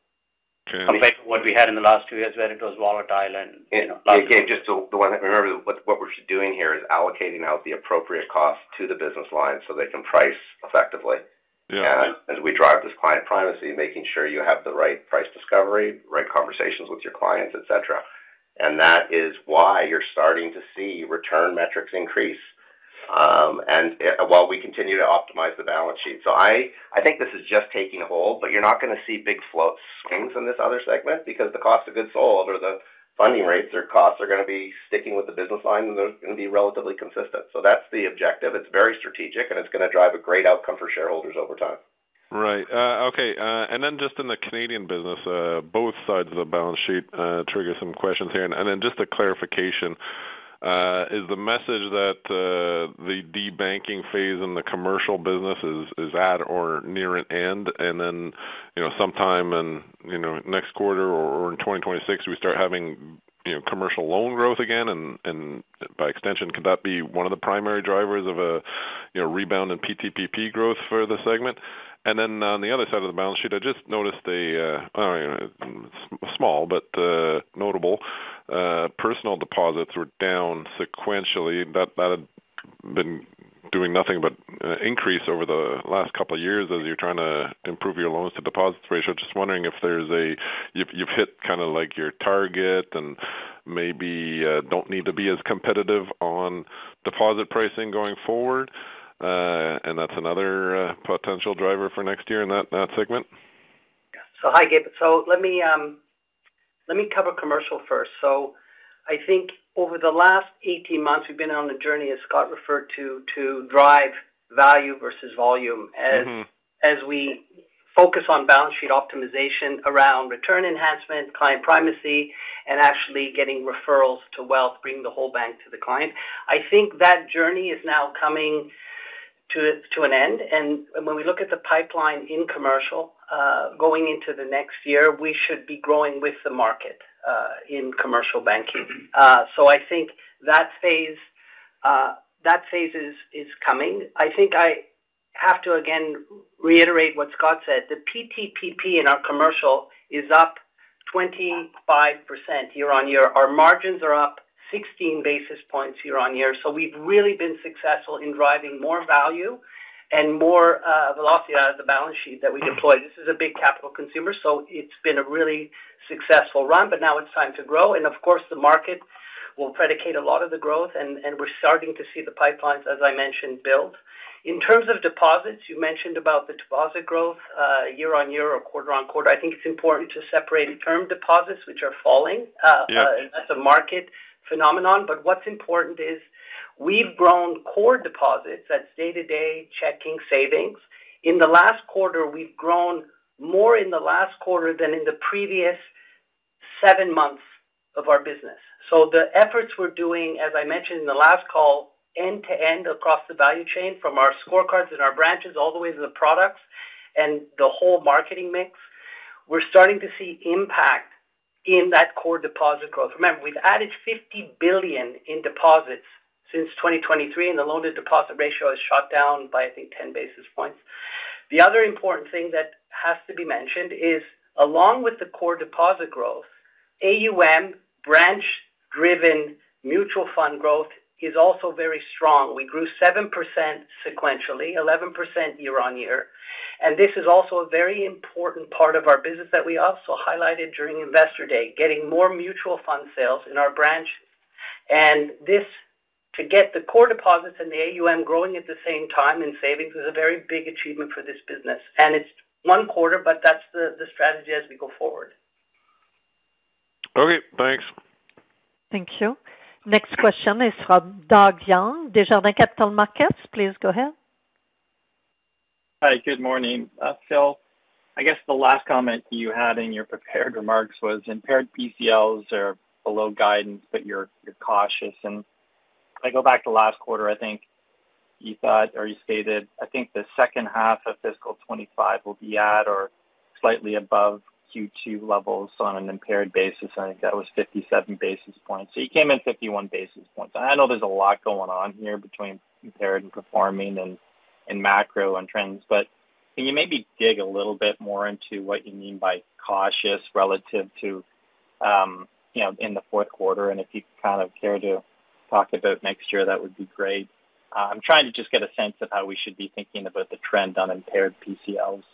not what we had in the last two years where it was volatile again. Just remember what we're doing here is allocating out the appropriate cost to the business line so they can price effectively. As we drive this client primacy, making sure you have the right price discovery, right conversations with your clients, et cetera, that is why you're starting to see return metrics increase while we continue to optimize the balance sheet. I think this is just taking hold. You're not going to see big float swings in this other segment because the cost of goods sold or the funding rates or costs are going to be sticking with the business line and they're going to be relatively consistent. That's the objective. It's very strategic and it's going to drive a great outcome for shareholders over time. Right, okay. In the Canadian business, both sides of the balance sheet trigger some questions here. Just a clarification, is the message that the debanking phase in the commercial business is at or near an end and sometime next quarter or in 2026 we start having commercial loan growth again? By extension, could that be one of the primary drivers of a rebound in PTPP growth for the segment? On the other side of the balance sheet, I just noticed small but notable personal deposits were down sequentially. That had been doing nothing but increase over the last couple of years. As you're trying to improve your loans to deposit ratio, just wondering if you've hit kind of like your target and maybe don't need to be as competitive on deposit pricing going forward. That's another potential driver for next year in that segment. Hi Gabe. Let me cover commercial first. Over the last 18 months we've been on the journey, as Scott referred to, to drive value versus volume as we focus on balance sheet optimization around return enhancement, client primacy, and actually getting referrals to wealth, bringing the whole bank to the client. I think that journey is now coming to an end. When we look at the pipeline in commercial going into the next year, we should be growing with the market in commercial banking. I think that phase is coming. I have to again reiterate what Scott said. The PTTP in our commercial is up 25% year-on-year. Our margins are up 16 basis points year-on-year. We've really been successful in driving more value and more velocity out of the balance sheet that we deploy. This is a big capital consumer, so it's been a really successful run. Now it's time to grow. Of course, the market will predicate a lot of the growth. We're starting to see the pipelines, as I mentioned, build in terms of deposits. You mentioned the deposit growth year on year or quarter on quarter. I think it's important to separate term deposits, which are falling as a market phenomenon. What's important is we've grown core deposits, that's day-to-day checking savings, in the last quarter. We've grown more in the last quarter than in the previous seven months of our business. The efforts we're doing, as I mentioned in the last call, end to end across the value chain from our scorecards and our branches all the way to the products and the whole marketing mix, we're starting to see impact in that core deposit growth. Remember, we've added $50 billion in deposits since 2023, and the loan to deposit ratio has shot down by, I think, 10 basis points. The other important thing that has to be mentioned is along with the core deposit growth, AUM branch-driven mutual fund growth is also very strong. We grew 7% sequentially, 11% year- on-year. This is also a very important part of our business that we highlighted during investor day, getting more mutual fund sales in our branch. To get the core deposits and the AUM growing at the same time in savings is a very big achievement for this business. It's one quarter, but that's the strategy as we go forward. Okay, thanks. Thank you. Next question is from Doug Young, Desjardins Capital Markets. Please go ahead. Hi, good morning, Phil. I guess the last comment you had in your prepared remarks was impaired PCLs are below guidance. You're cautious. I go back to last quarter. I think you thought or you stated. I think the second half of fiscal. 2025 will be at or slightly above Q2 levels on an impaired basis. I think that was 57 basis points. You came in 51 basis points. I know there's a lot going on. Here between impaired and performing and macro and trends, can you maybe dig a little bit more into what you mean by cautious relative to in the fourth quarter? If you kind of dared to talk about next year, that would be great. I'm trying to just get a sense of how we should be thinking about the trend on impaired PCLs.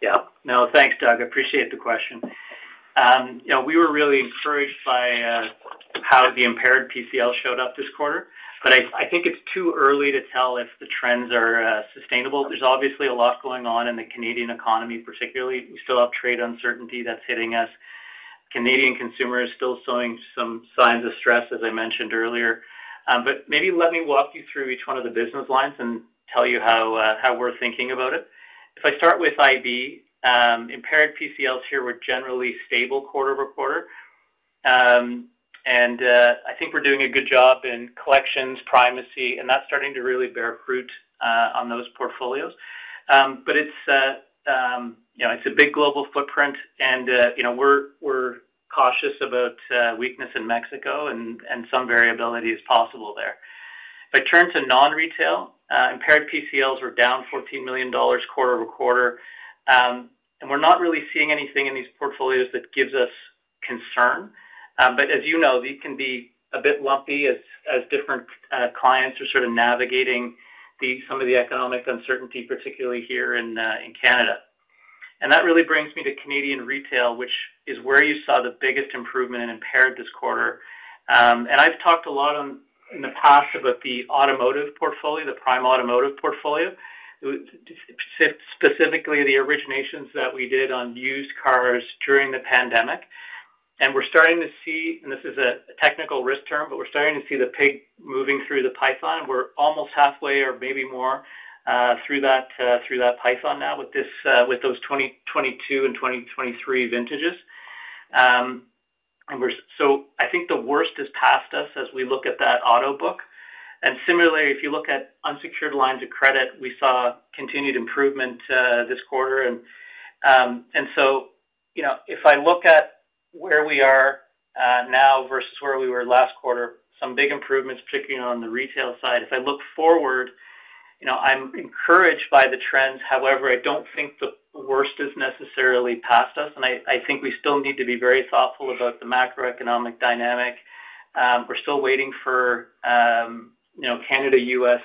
Yeah, no, thanks, Doug. I appreciate the question. We were really encouraged by how the impaired PCL showed up this quarter. I think it's too early to tell if the trends are sustainable. There's obviously a lot going on in the Canadian economy, particularly. We still have trade uncertainty that's hitting us. Canadian consumers still showing some signs of stress, as I mentioned earlier. Maybe let me walk you through each one of the business lines and tell you how we're thinking about it. If I start with IB, impaired PCLs here were generally stable quarter-over-quarter. I think we're doing a good job in collections primacy, and that's starting to really bear fruit on those portfolios. It's a big global footprint, and we're cautious about weakness in Mexico, and some variability is possible there. Turning to non-retail, impaired PCLs were down $14 million quarter-over-quarter. We're not really seeing anything in these portfolios that gives us concern. As you know, these can be a bit lumpy as different clients are sort of navigating some of the economic uncertainty, particularly here in Canada. That really brings me to Canadian retail, which is where you saw the biggest improvement impaired this quarter. I've talked a lot in the past about the automotive portfolio, the prime automotive portfolio, specifically the originations that we did on used cars during the pandemic. We're starting to see, and this is a technical risk term, but we're starting to see the pigment moving through the pipeline. We're almost halfway or maybe more through that, through that pipeline now with those 2022 and 2023 vintages. I think the worst has passed. As we look at that auto book, if you look at unsecured lines of credit, we saw continued improvement this quarter. If I look at where we are now versus where we were last quarter, some big improvements, particularly on the retail side. If I look forward, I'm encouraged by the trends. However, I don't think the worst is necessarily past us. I think we still need to. Be very thoughtful about the macroeconomic dynamic. We're still waiting for Canada-U.S.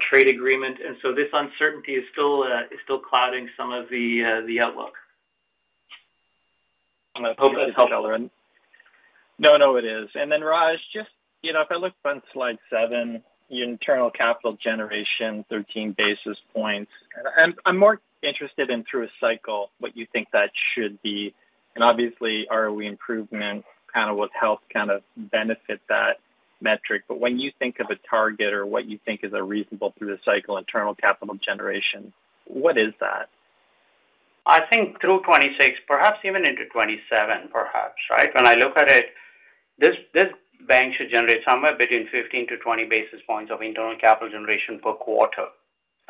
trade agreement. This uncertainty is still clouding some of the outlook. I hope that helped. No, no, it is. Raj, if I look on. Slide seven, internal capital generation 13 basis points. I'm more interested in through a cycle, what you think that should be. Obviously, ROE improvement kind of what helped kind of benefit that metric. When you think of a target or what you think is a reasonable through the cycle internal capital generation, what is that? I think through 2026, perhaps even into 2027, perhaps right. When I look at it, this bank should generate somewhere between 15-20 basis points of internal capital generation per quarter.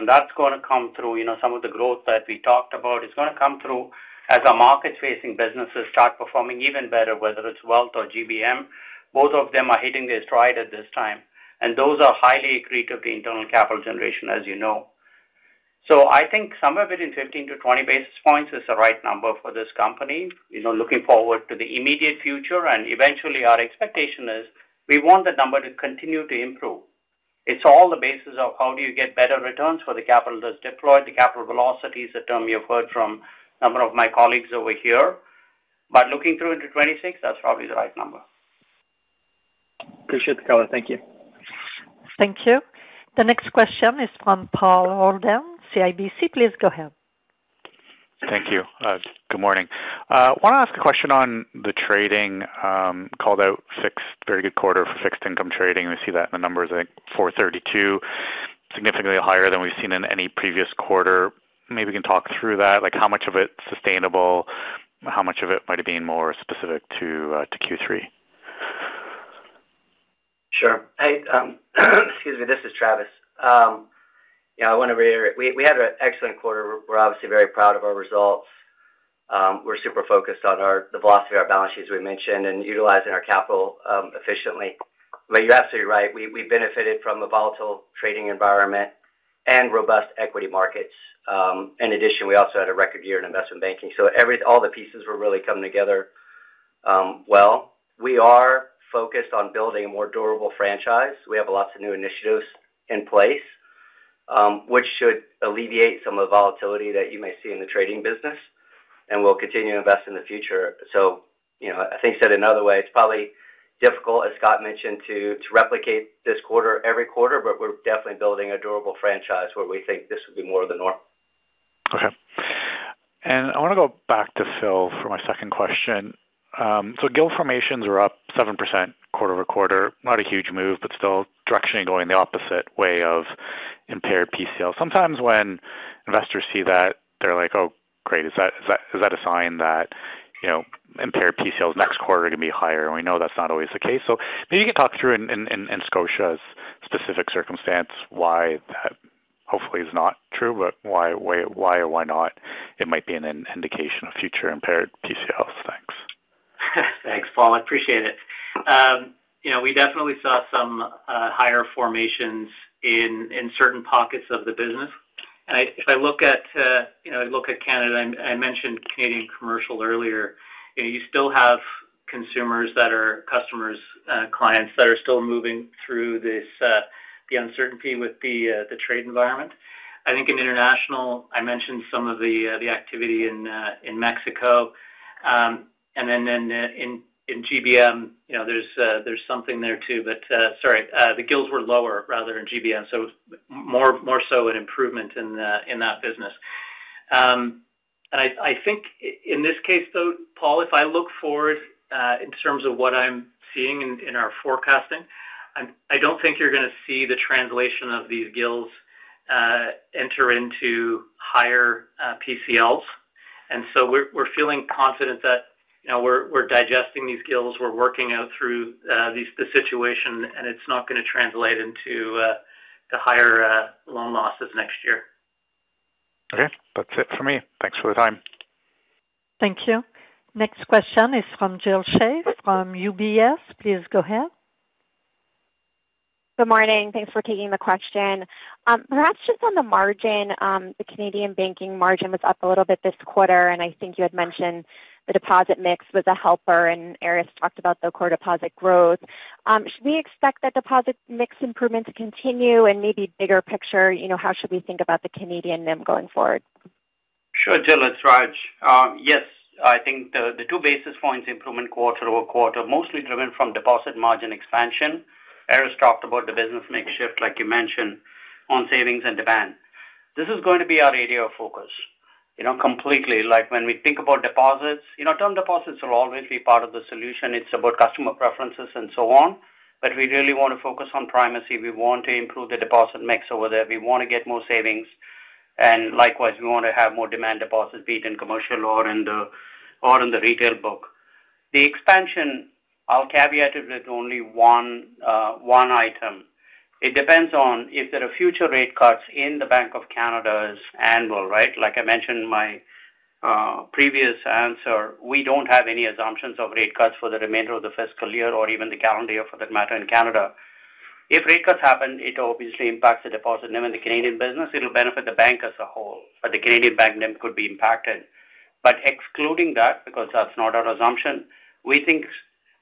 That's going to come through. Some of the growth that we talked about is going to come through as our markets-facing businesses start performing even better. Whether it's wealth or GBM, both of them are hitting their stride at this time and those are highly accretive to internal capital generation, as you know. I think somewhere between 15-20 basis points is the right number for this company. You know, looking forward to the immediate future and eventually our expectation is we want the number to continue to improve. It's all the basis of how do you get better returns for the capital that's deployed. Capital velocity is a term you've heard from a number of my colleagues over here. Looking through into 2026, that's probably the right number. Appreciate the call. Thank you. Thank you. The next question is from Paul Holden, CIBC. Please go ahead. Thank you. Good morning. One last question on the trading called out. Very good quarter fixed income trading. We see that in the numbers, I think $432 million, significantly higher than we've seen in any previous quarter. Maybe we can talk through that. Like how much of it is sustainable, how much of it might have been more specific to Q3? Sure. Excuse me. This is Travis. I want to reiterate, we had an excellent quarter. We're obviously very proud of our results. We're super focused on the velocity of our balance sheet as we mentioned, and utilizing our capital efficiently. You're absolutely right. We benefited from a volatile trading environment and robust equity markets. In addition, we also had a record year in investment banking. Every, all the pieces were really coming together. We are focused on building a more durable franchise. We have lots of new initiatives in. Place, which should alleviate some of the. Volatility that you may see in the trading business, and we'll continue to invest in the future. I think, said another way, it's probably difficult, as Scott mentioned, to replicate this quarter every quarter, but we're definitely building a durable franchise where we think this would be more of the norm. Okay, and I want to go back. To Phil for my second question. GIL formations are up 7% quarter-over-quarter. Not a huge move, but still direction going the opposite way of impaired PCL. Sometimes when investors see that, they're like, oh great, is that a sign that, you know, impaired PCLs next quarter are going to be higher and we know that's not always the case. Maybe you can talk through in Scotiabank's specific circumstance why that hopefully is not true. Why, or why not, it might be an indication of future impaired PCLs. Thanks. Thanks, Paul, I appreciate it. We definitely saw some higher formations in certain pockets of the business. If I look at Canada, I mentioned Canadian commercial earlier. You still have consumers, customers, clients that are still moving through this. The uncertainty with the, I think in International, I mentioned some of the activity in Mexico and then in GBM, there's something there too. The GILs were lower rather than GBM, so more so an improvement in that business. In this case, though, Paul, if I look forward in terms of what I'm seeing in our forecasting, I don't think you're going to see the translation of these GILs enter into higher PCLs. We're feeling confident that now we're digesting these GILs. We're working out through the situation, and it's not going to translate into the higher loan losses next year. Ok, that's it for me. Thanks for the time. Thank you. Next question is from Jill Shea from UBS. Please go ahead. Good morning. Thanks for taking the question. Perhaps just on the margin. The Canadian banking margin was up a little bit this quarter, and I think you had mentioned the deposit mix was a helper, and Aris talked about the core deposit growth. Should we expect that deposit mix improvement to continue, and maybe bigger picture, you know, how should we think about the Canadian NIM going forward? Sure. Jill, it's Raj. Yes, I think the two basis points improvement, quarter-over-quarter, mostly driven from deposit margin expansion. Aris talked about the business makeshift like you mentioned on savings and demand. This is going to be our area of focus, you know, completely. Like when we think about deposits, you know, term deposits will always be part of the solution. It's about customer preferences and so on. We really want to focus on primacy. We want to improve the deposit mix over there. We want to get more savings and likewise we want to have more demand deposits, be it in commercial or in the retail book. The expansion, I'll caveat it with only one item. It depends on if there are future rate cuts in the Bank of Canada's annual. Like I mentioned in my previous answer, we don't have any assumptions of rate cuts for the remainder of the fiscal year or even the calendar year. For that matter, in Canada, if rate cuts happen, it obviously impacts the deposit NIM in the Canadian business. It will benefit the bank as a whole. The Canadian bank NIM could be impacted. Excluding that, because that's not our assumption, we think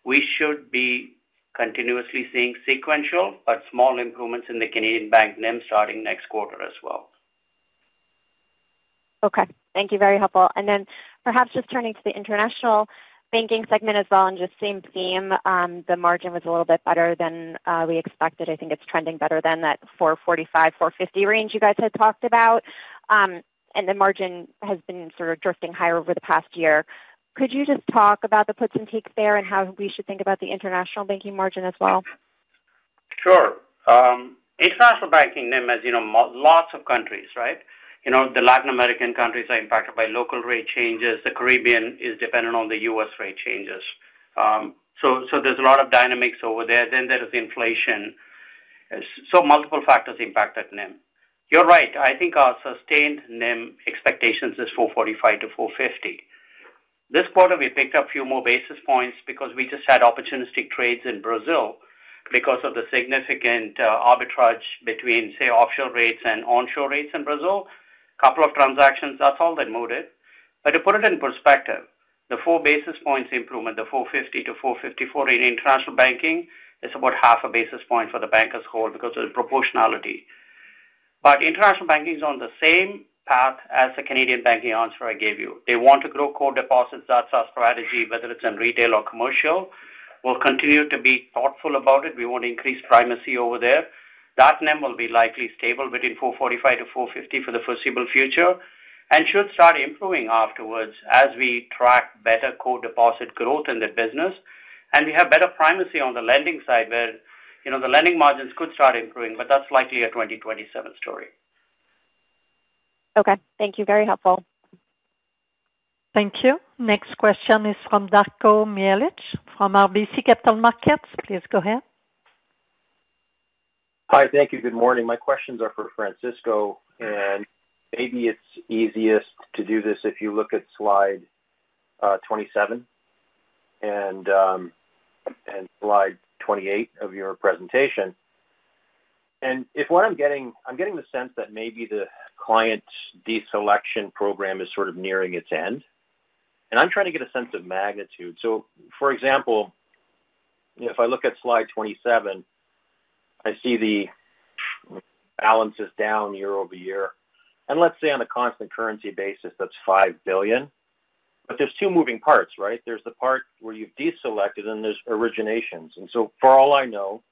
we should be continuously seeing sequential but small improvements in the Canadian bank NIM starting next quarter as well. Okay, thank you. Very helpful. Perhaps just turning to the International Banking segment as well, just same theme. The margin was a little bit better than we expected. I think it's trending better than that 4.45%-4.50% range you guys had talked about. The margin has been sort of drifting higher over the past year. Could you just talk about the puts and takes there and how we should think about the International Banking margin as well? Sure. International Banking NIM, as you know, lots of countries, right? The Latin American countries are impacted by local rate changes. The Caribbean is dependent on the U.S. rate changes. There's a lot of dynamics over there. There is inflation. Multiple factors impact that. NIM, you're right. I think our sustained NIM expectations is 4.45% to 4.50% this quarter. We picked up a few more basis points because we just had opportunistic trades in Brazil because of the significant arbitrage between, say, offshore rates and onshore rates in Brazil. Couple of transactions, that's all that Mo did. To put it in perspective, the four basis points improvement, the 4.50% to 4.54% in International Banking, it's about half a basis point for the bank as a whole because of the proportionality. International Banking is on the same path as the Canadian Banking answer I gave you. They want to grow core deposits. That's our strategy. Whether it's in retail or commercial, we'll continue to be thoughtful about it. We want to increase primacy over there. That NIM will be likely stable between 4.45% to 4.50% for the foreseeable future and should start improving afterwards as we track better core deposit growth in the business. We have better primacy on the lending side where, you know, the lending margins could start improving. That's likely a 2027 story. Okay, thank you. Very helpful. Thank you. Next question is from Darko Mihelic from RBC Capital Markets. Please go ahead. Hi, thank you. Good morning. My questions are for Francisco and maybe it's easiest to do this if you look at slide 27 and slide 28 of your presentation. If what I'm getting, I'm getting. The sense that maybe the client deselection. Program is sort of nearing its end. I'm trying to get a sense of magnitude. For example, if I look at slide 27, I see the balance is down year-over-year, and let's say on a constant currency basis that's $5 billion. There are two moving parts, right? There's the part where you've deselected and there's originations. For all I know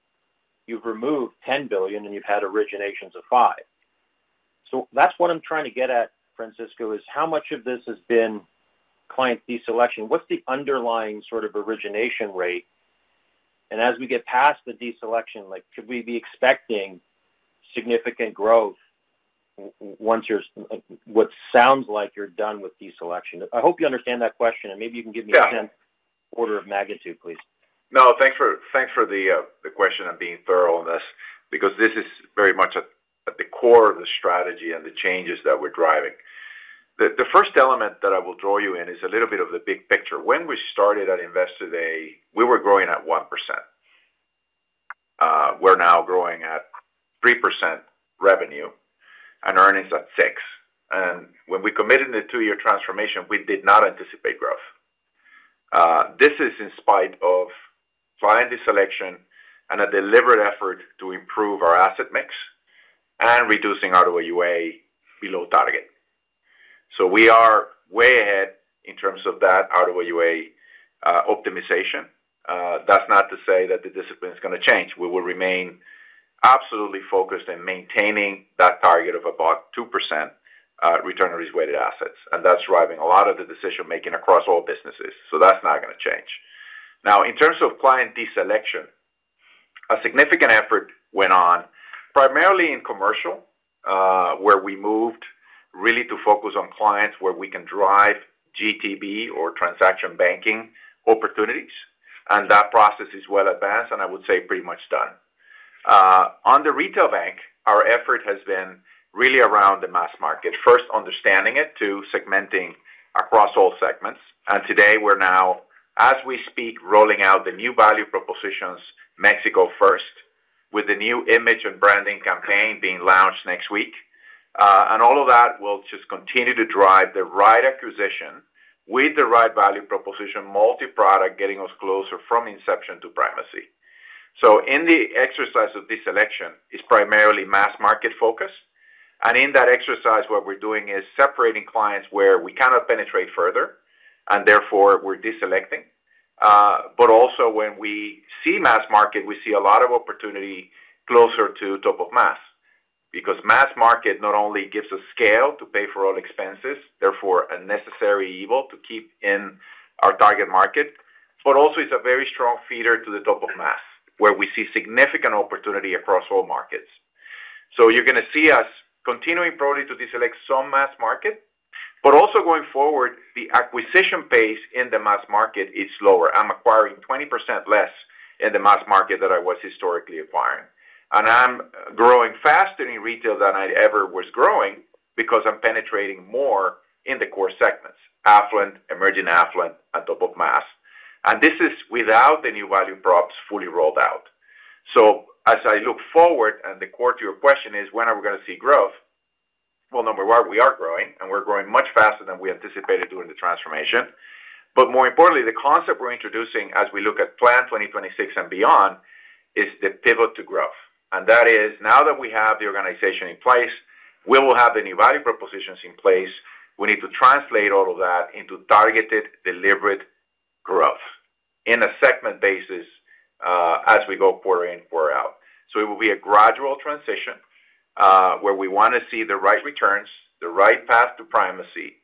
you've removed $10 billion and you've had originations of $5 billion. That's what I'm trying to get at, Francisco, is how much of this has been client deselection, what's the underlying sort of origination rate? As we get past the deselection, could we be expecting significant growth once you're, what sounds like, you're done with deselection? I hope you understand that question and maybe you can give me 10th order of magnitude, please. No, thanks for the question and being thorough on this because this is very much at the core of the strategy and the changes that we're driving. The first element that I will draw you in is a little bit of the big picture. When we started at Investor Day we were growing at 1%, we're now growing at 3%, revenue and earnings at 6%. When we committed the two-year transformation, we did not anticipate growth. This is in spite of fine deselection and a deliberate effort to improve our asset mix and reducing our RWA below target. We are way ahead in terms of that RWA optimization. That's not to say that the discipline is going to change. We will remain absolutely focused in maintaining that target of about 2% return on risk weighted assets. That's driving a lot of the decision making across all businesses. That's not going to change. Now in terms of client deselection, a significant effort went on primarily in commercial where we moved really to focus on clients where we can drive GTB or transaction banking opportunities. That process is well advanced and I would say pretty much done on the retail bank. Our effort has been really around the mass market, first understanding it to segmenting across all segments. Today we're now, as we speak, rolling out the new value propositions. Mexico first with the new image and branding campaign being launched next week. All of that will just continue to drive the right acquisition with the right value proposition, multi-product, getting us closer from inception to primacy. In the exercise of deselection, it is primarily mass market focused. In that exercise what we're doing is separating clients where we cannot penetrate further and therefore we're deselecting. Also, when we see mass market, we see a lot of opportunity closer to top of mass. Mass market not only gives us scale to pay for all expenses, therefore a necessary evil to keep in our target market, but also it's a very strong feeder to the top of mass where we see significant opportunity across all markets. You're going to see us continuing probably to deselect some mass market. Also, going forward, the acquisition pace in the mass market is slower. I'm acquiring 20% less in the mass market than I was historically acquiring. I'm growing faster in retail than I ever was growing because I'm penetrating more in the core segments: affluent, emerging affluent, on top of mass. This is without the new value propositions fully rolled out. As I look forward, the core to your question is when are we going to see growth? Number one, we are growing and we're growing much faster than we anticipated during the transformation. More importantly, the concept we're introducing as we look at Plan 2026 and beyond is the pivot to growth. Now that we have the organization in place, we will have the new value propositions in place. We need to translate all of that into targeted, deliberate growth on a segment basis as we go forward and roll out. It will be a gradual transition where we want to see the right returns, the right path to primacy,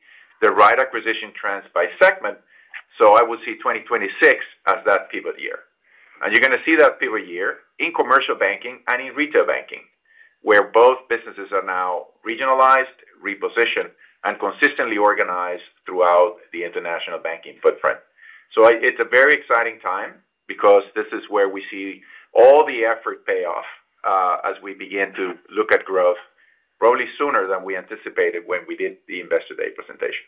the right acquisition trends by segment. I would see 2026 as that pivot year and you're going to see that pivot year in commercial banking and in retail banking, where both businesses are now regionalized, repositioned, and consistently organized throughout the international banking footprint. It's a very exciting time because this is where we see all the effort pay off as we begin to look at growth, probably sooner than we anticipated when we did the investor day presentation.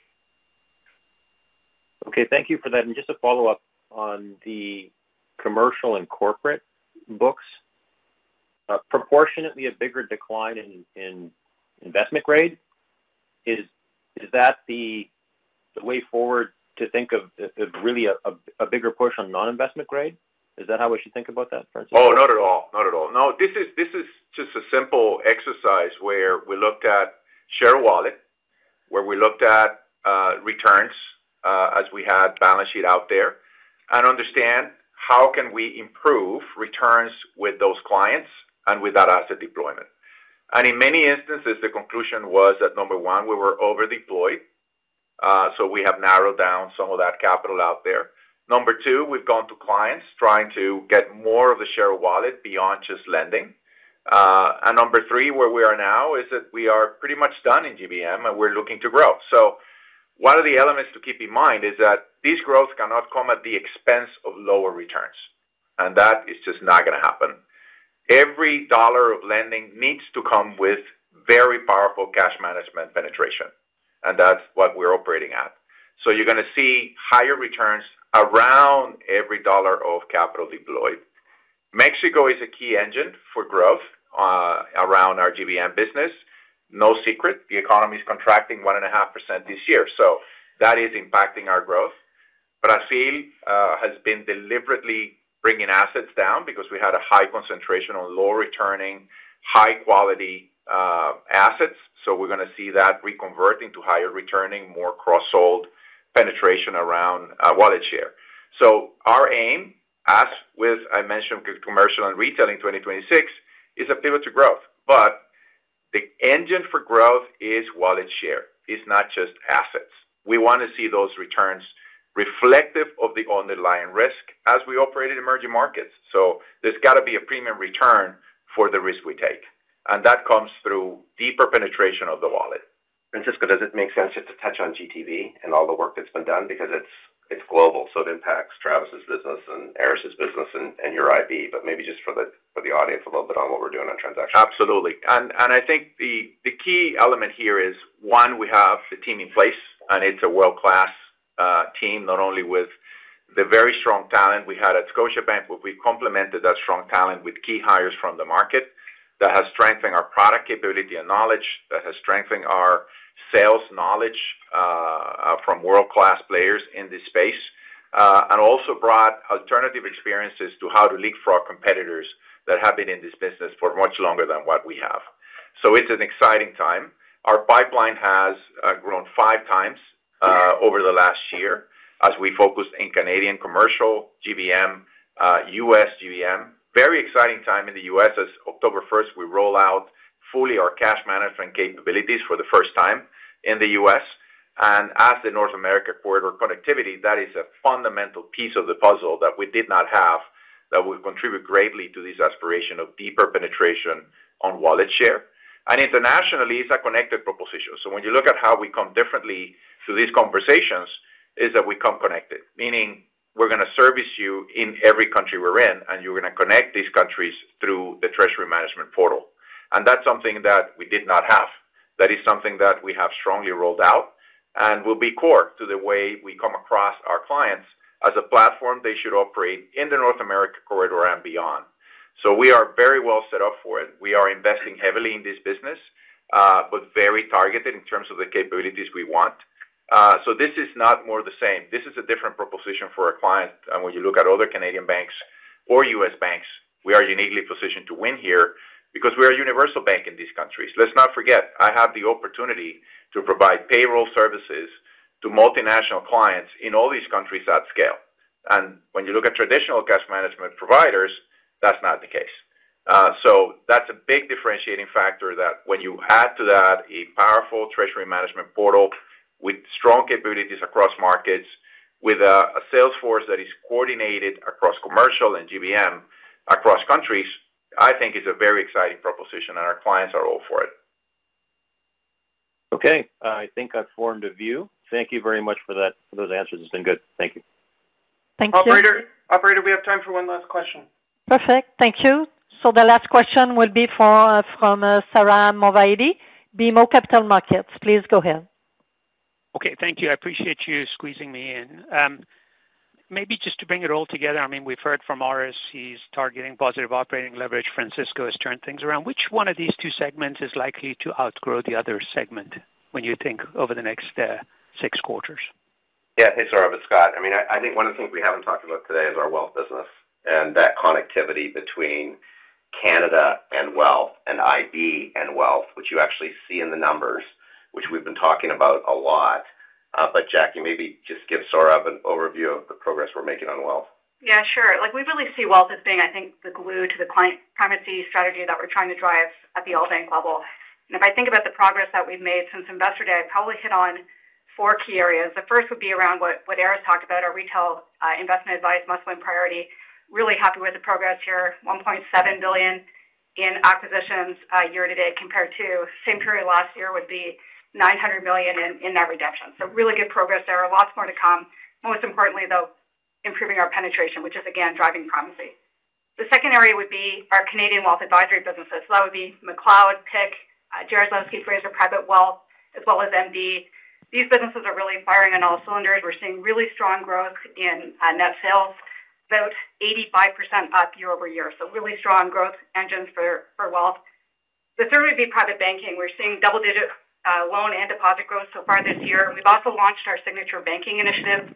Okay, thank you for that. Just a follow up on the commercial and corporate books. Proportionately a bigger decline in investment grade. Is that the way forward to think of really a bigger push on non investment grade? Is that how we should think about that? Oh, not at all, not at all. No. This is just a simple exercise where we looked at share of wallet, where we looked at returns as we had balance sheet out there and understand how can we improve returns with those clients and with that asset deployment. In many instances, the conclusion was that, number one, we were over deployed. We have narrowed down some of that capital out there. Number two, we've gone to clients trying to get more of the share of wallet beyond just lending. Number three, where we are now is that we are pretty much done in GBM and we're looking to grow. One of the elements to keep in mind is that this growth cannot come at the expense of lower returns and that is just not going to happen. Every dollar of lending needs to come with very powerful cash management penetration and that's what we're operating at. You're going to see higher returns around every dollar of capital deployed. Mexico is a key engine for growth around our GBM business. No secret, the economy is contracting 1.5% this year so that is impacting our growth. Brazil has been deliberately bringing assets down because we had a high concentration on low returning, high quality assets. We're going to see that reconverting to higher returning, more cross sold penetration around wallet share. Our aim, as I mentioned, commercial and retail in 2026 is a pivot to growth but the engine for growth is wallet share. It's not just assets. We want to see those returns reflective of the underlying risk as we operate in emerging markets. There's got to be a premium return for the risk we take and that comes through deeper penetration of the wallet. Francisco, does it make sense to touch on GTV and all the work that's been done because it's global, so it impacts Travis's business and Aris's business and your IB? Maybe just for the audience, a little bit on what we're doing on transactions. Absolutely. I think the key element here is, one, we have the team in place and it's a world-class team. Not only with the very strong talent we had at Scotiabank, we complemented that strong talent with key hires from the market that have strengthened our product capability and knowledge, that have strengthened our sales knowledge from world-class players in this space, and also brought alternative experiences to how to leapfrog competitors that have been in this business for much longer than we have. It's an exciting time. Our pipeline has grown 5x over the last year as we focused in Canadian commercial GBM. U.S. GBM is a very exciting time in the U.S. as October 1st we roll out fully our cash management capabilities for the first time in the U.S., and as the North America corridor connectivity, that is a fundamental piece of the puzzle that we did not have, that will contribute greatly to this aspiration of deeper penetration on wallet share and internationally. It's a connected proposition. When you look at how we come differently through these conversations, we come connected, meaning we're going to service you in every country we're in, and you're going to connect these countries through the Treasury Management portal. That's something that we did not have. That is something that we have strongly rolled out and will be core to the way we come across our clients as a platform. They should operate in the North America corridor and beyond. We are very well set up for it. We are investing heavily in this business, but very targeted in terms of the capabilities we want. This is not more of the same. This is a different proposition for a client. When you look at other Canadian banks or U.S. banks, we are uniquely positioned to win here because we are a universal bank in these countries. Let's not forget I have the opportunity to provide payroll services to multinational clients in all these countries at scale. When you look at traditional cash management providers, that's not the case. That's a big differentiating factor that, when you add to that a powerful Treasury Management portal with strong capabilities across markets, with a sales force that is coordinated across commercial and GBM across countries, I think is a very exciting proposition and our clients are all for it. Okay, I think I've formed a view. Thank you very much for that, those answers. It's been good. Thank you. Thank you, Operator. Operator, we have time for one last question. Perfect. Thank you. The last question will be from Sohrab Movahedi, BMO Capital Markets. Please go ahead. Okay, thank you. I appreciate you squeezing me in. Maybe just to bring it all together. I mean, we've heard from Aris. He's targeting positive operating leverage. Francisco has turned things around. Which one of these two segments is likely to outgrow the other segment? When you think over the next six quarters. Yeah, hey, Sohrab, it's Scott. I think one of the things we haven't talked about today is our wealth business and that connectivity between Canada and wealth and International Banking and wealth, which you actually see in the numbers, which we've been talking about a lot. Jacqui, maybe just give Sohrab an overview of the progress we're making on wealth. Yeah, sure. We really see wealth as being, I think, the glue to the client primacy strategy that we're trying to drive at the all bank level. If I think about the progress that we've made since Investor Day, I'd probably hit on four key areas. The first would be around what Aris talked about, our retail investment advice must win priority. Really happy with the progress here. $1.7 billion in acquisitions year to date compared to the same period last year would be $900 million in net redemptions, so really good progress. There are lots more to come. Most importantly though, improving our penetration, which is again driving primacy. The second area would be our Canadian wealth advisory businesses. That would be McLeod, PIC, Jarislowsky Fraser Private Wealth as well as MD. These businesses are really firing on all cylinders. We're seeing really strong growth in net sales, about 85% up year-over-year. Really strong growth engines for wealth. The third would be private banking. We're seeing double-digit loan and deposit growth so far this year. We've also launched our signature banking initiatives.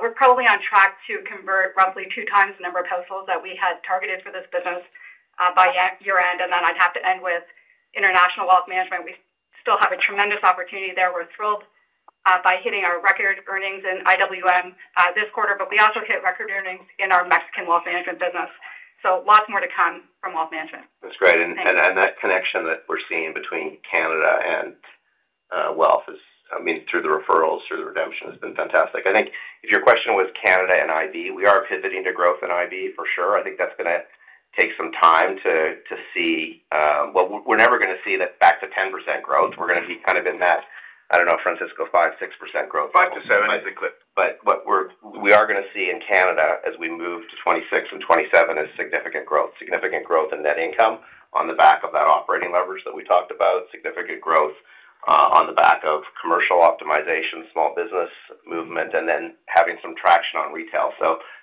We're probably on track to convert roughly two times the number of households that we had targeted for this business by year end. I'd have to end with International Wealth Management. We still have a tremendous opportunity there. We're thrilled by hitting our record earnings in IWM this quarter. We also hit record earnings in our Mexican wealth management business. Lots more to come from wealth management. That's great. That connection that we're seeing between Canada and Wealth is, I mean, through the referrals, through the redemption, has been fantastic. I think if your question was Canada and IB, we are pivoting to growth in IB for sure. I think that's going to take some time to see. We're never going to see that back to 10% growth. We're going to be kind of in that. I don't know. Francisco, 5%, 6% growth, 5%-7% basically. We are going to see in Canada as we move to 2026 and 2027 significant growth, significant growth in net income on the back of that operating leverage that we talked about, significant growth on the back of commercial optimization, small business movement, and then having some traction on retail.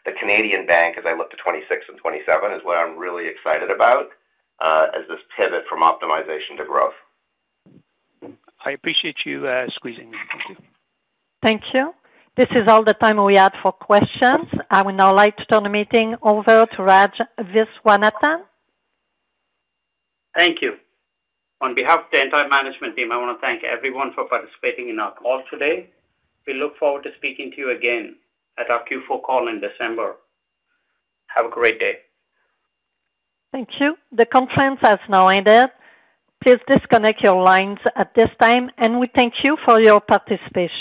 The Canadian bank, as I look to 2026 and 2027, is what I'm really excited about as this pivot from optimization to growth. I appreciate you squeezing me in. Thank you. Thank you. This is all the time we had for questions. I would now like to turn the meeting over to Raj Viswanathan. Thank you. On behalf of the entire management team, I want to thank everyone for participating in our call today. We look forward to speaking to you again at our Q4 call in December. Have a great day. Thank you. The conference has now ended. Please disconnect your lines at this time, and we thank you for your participation.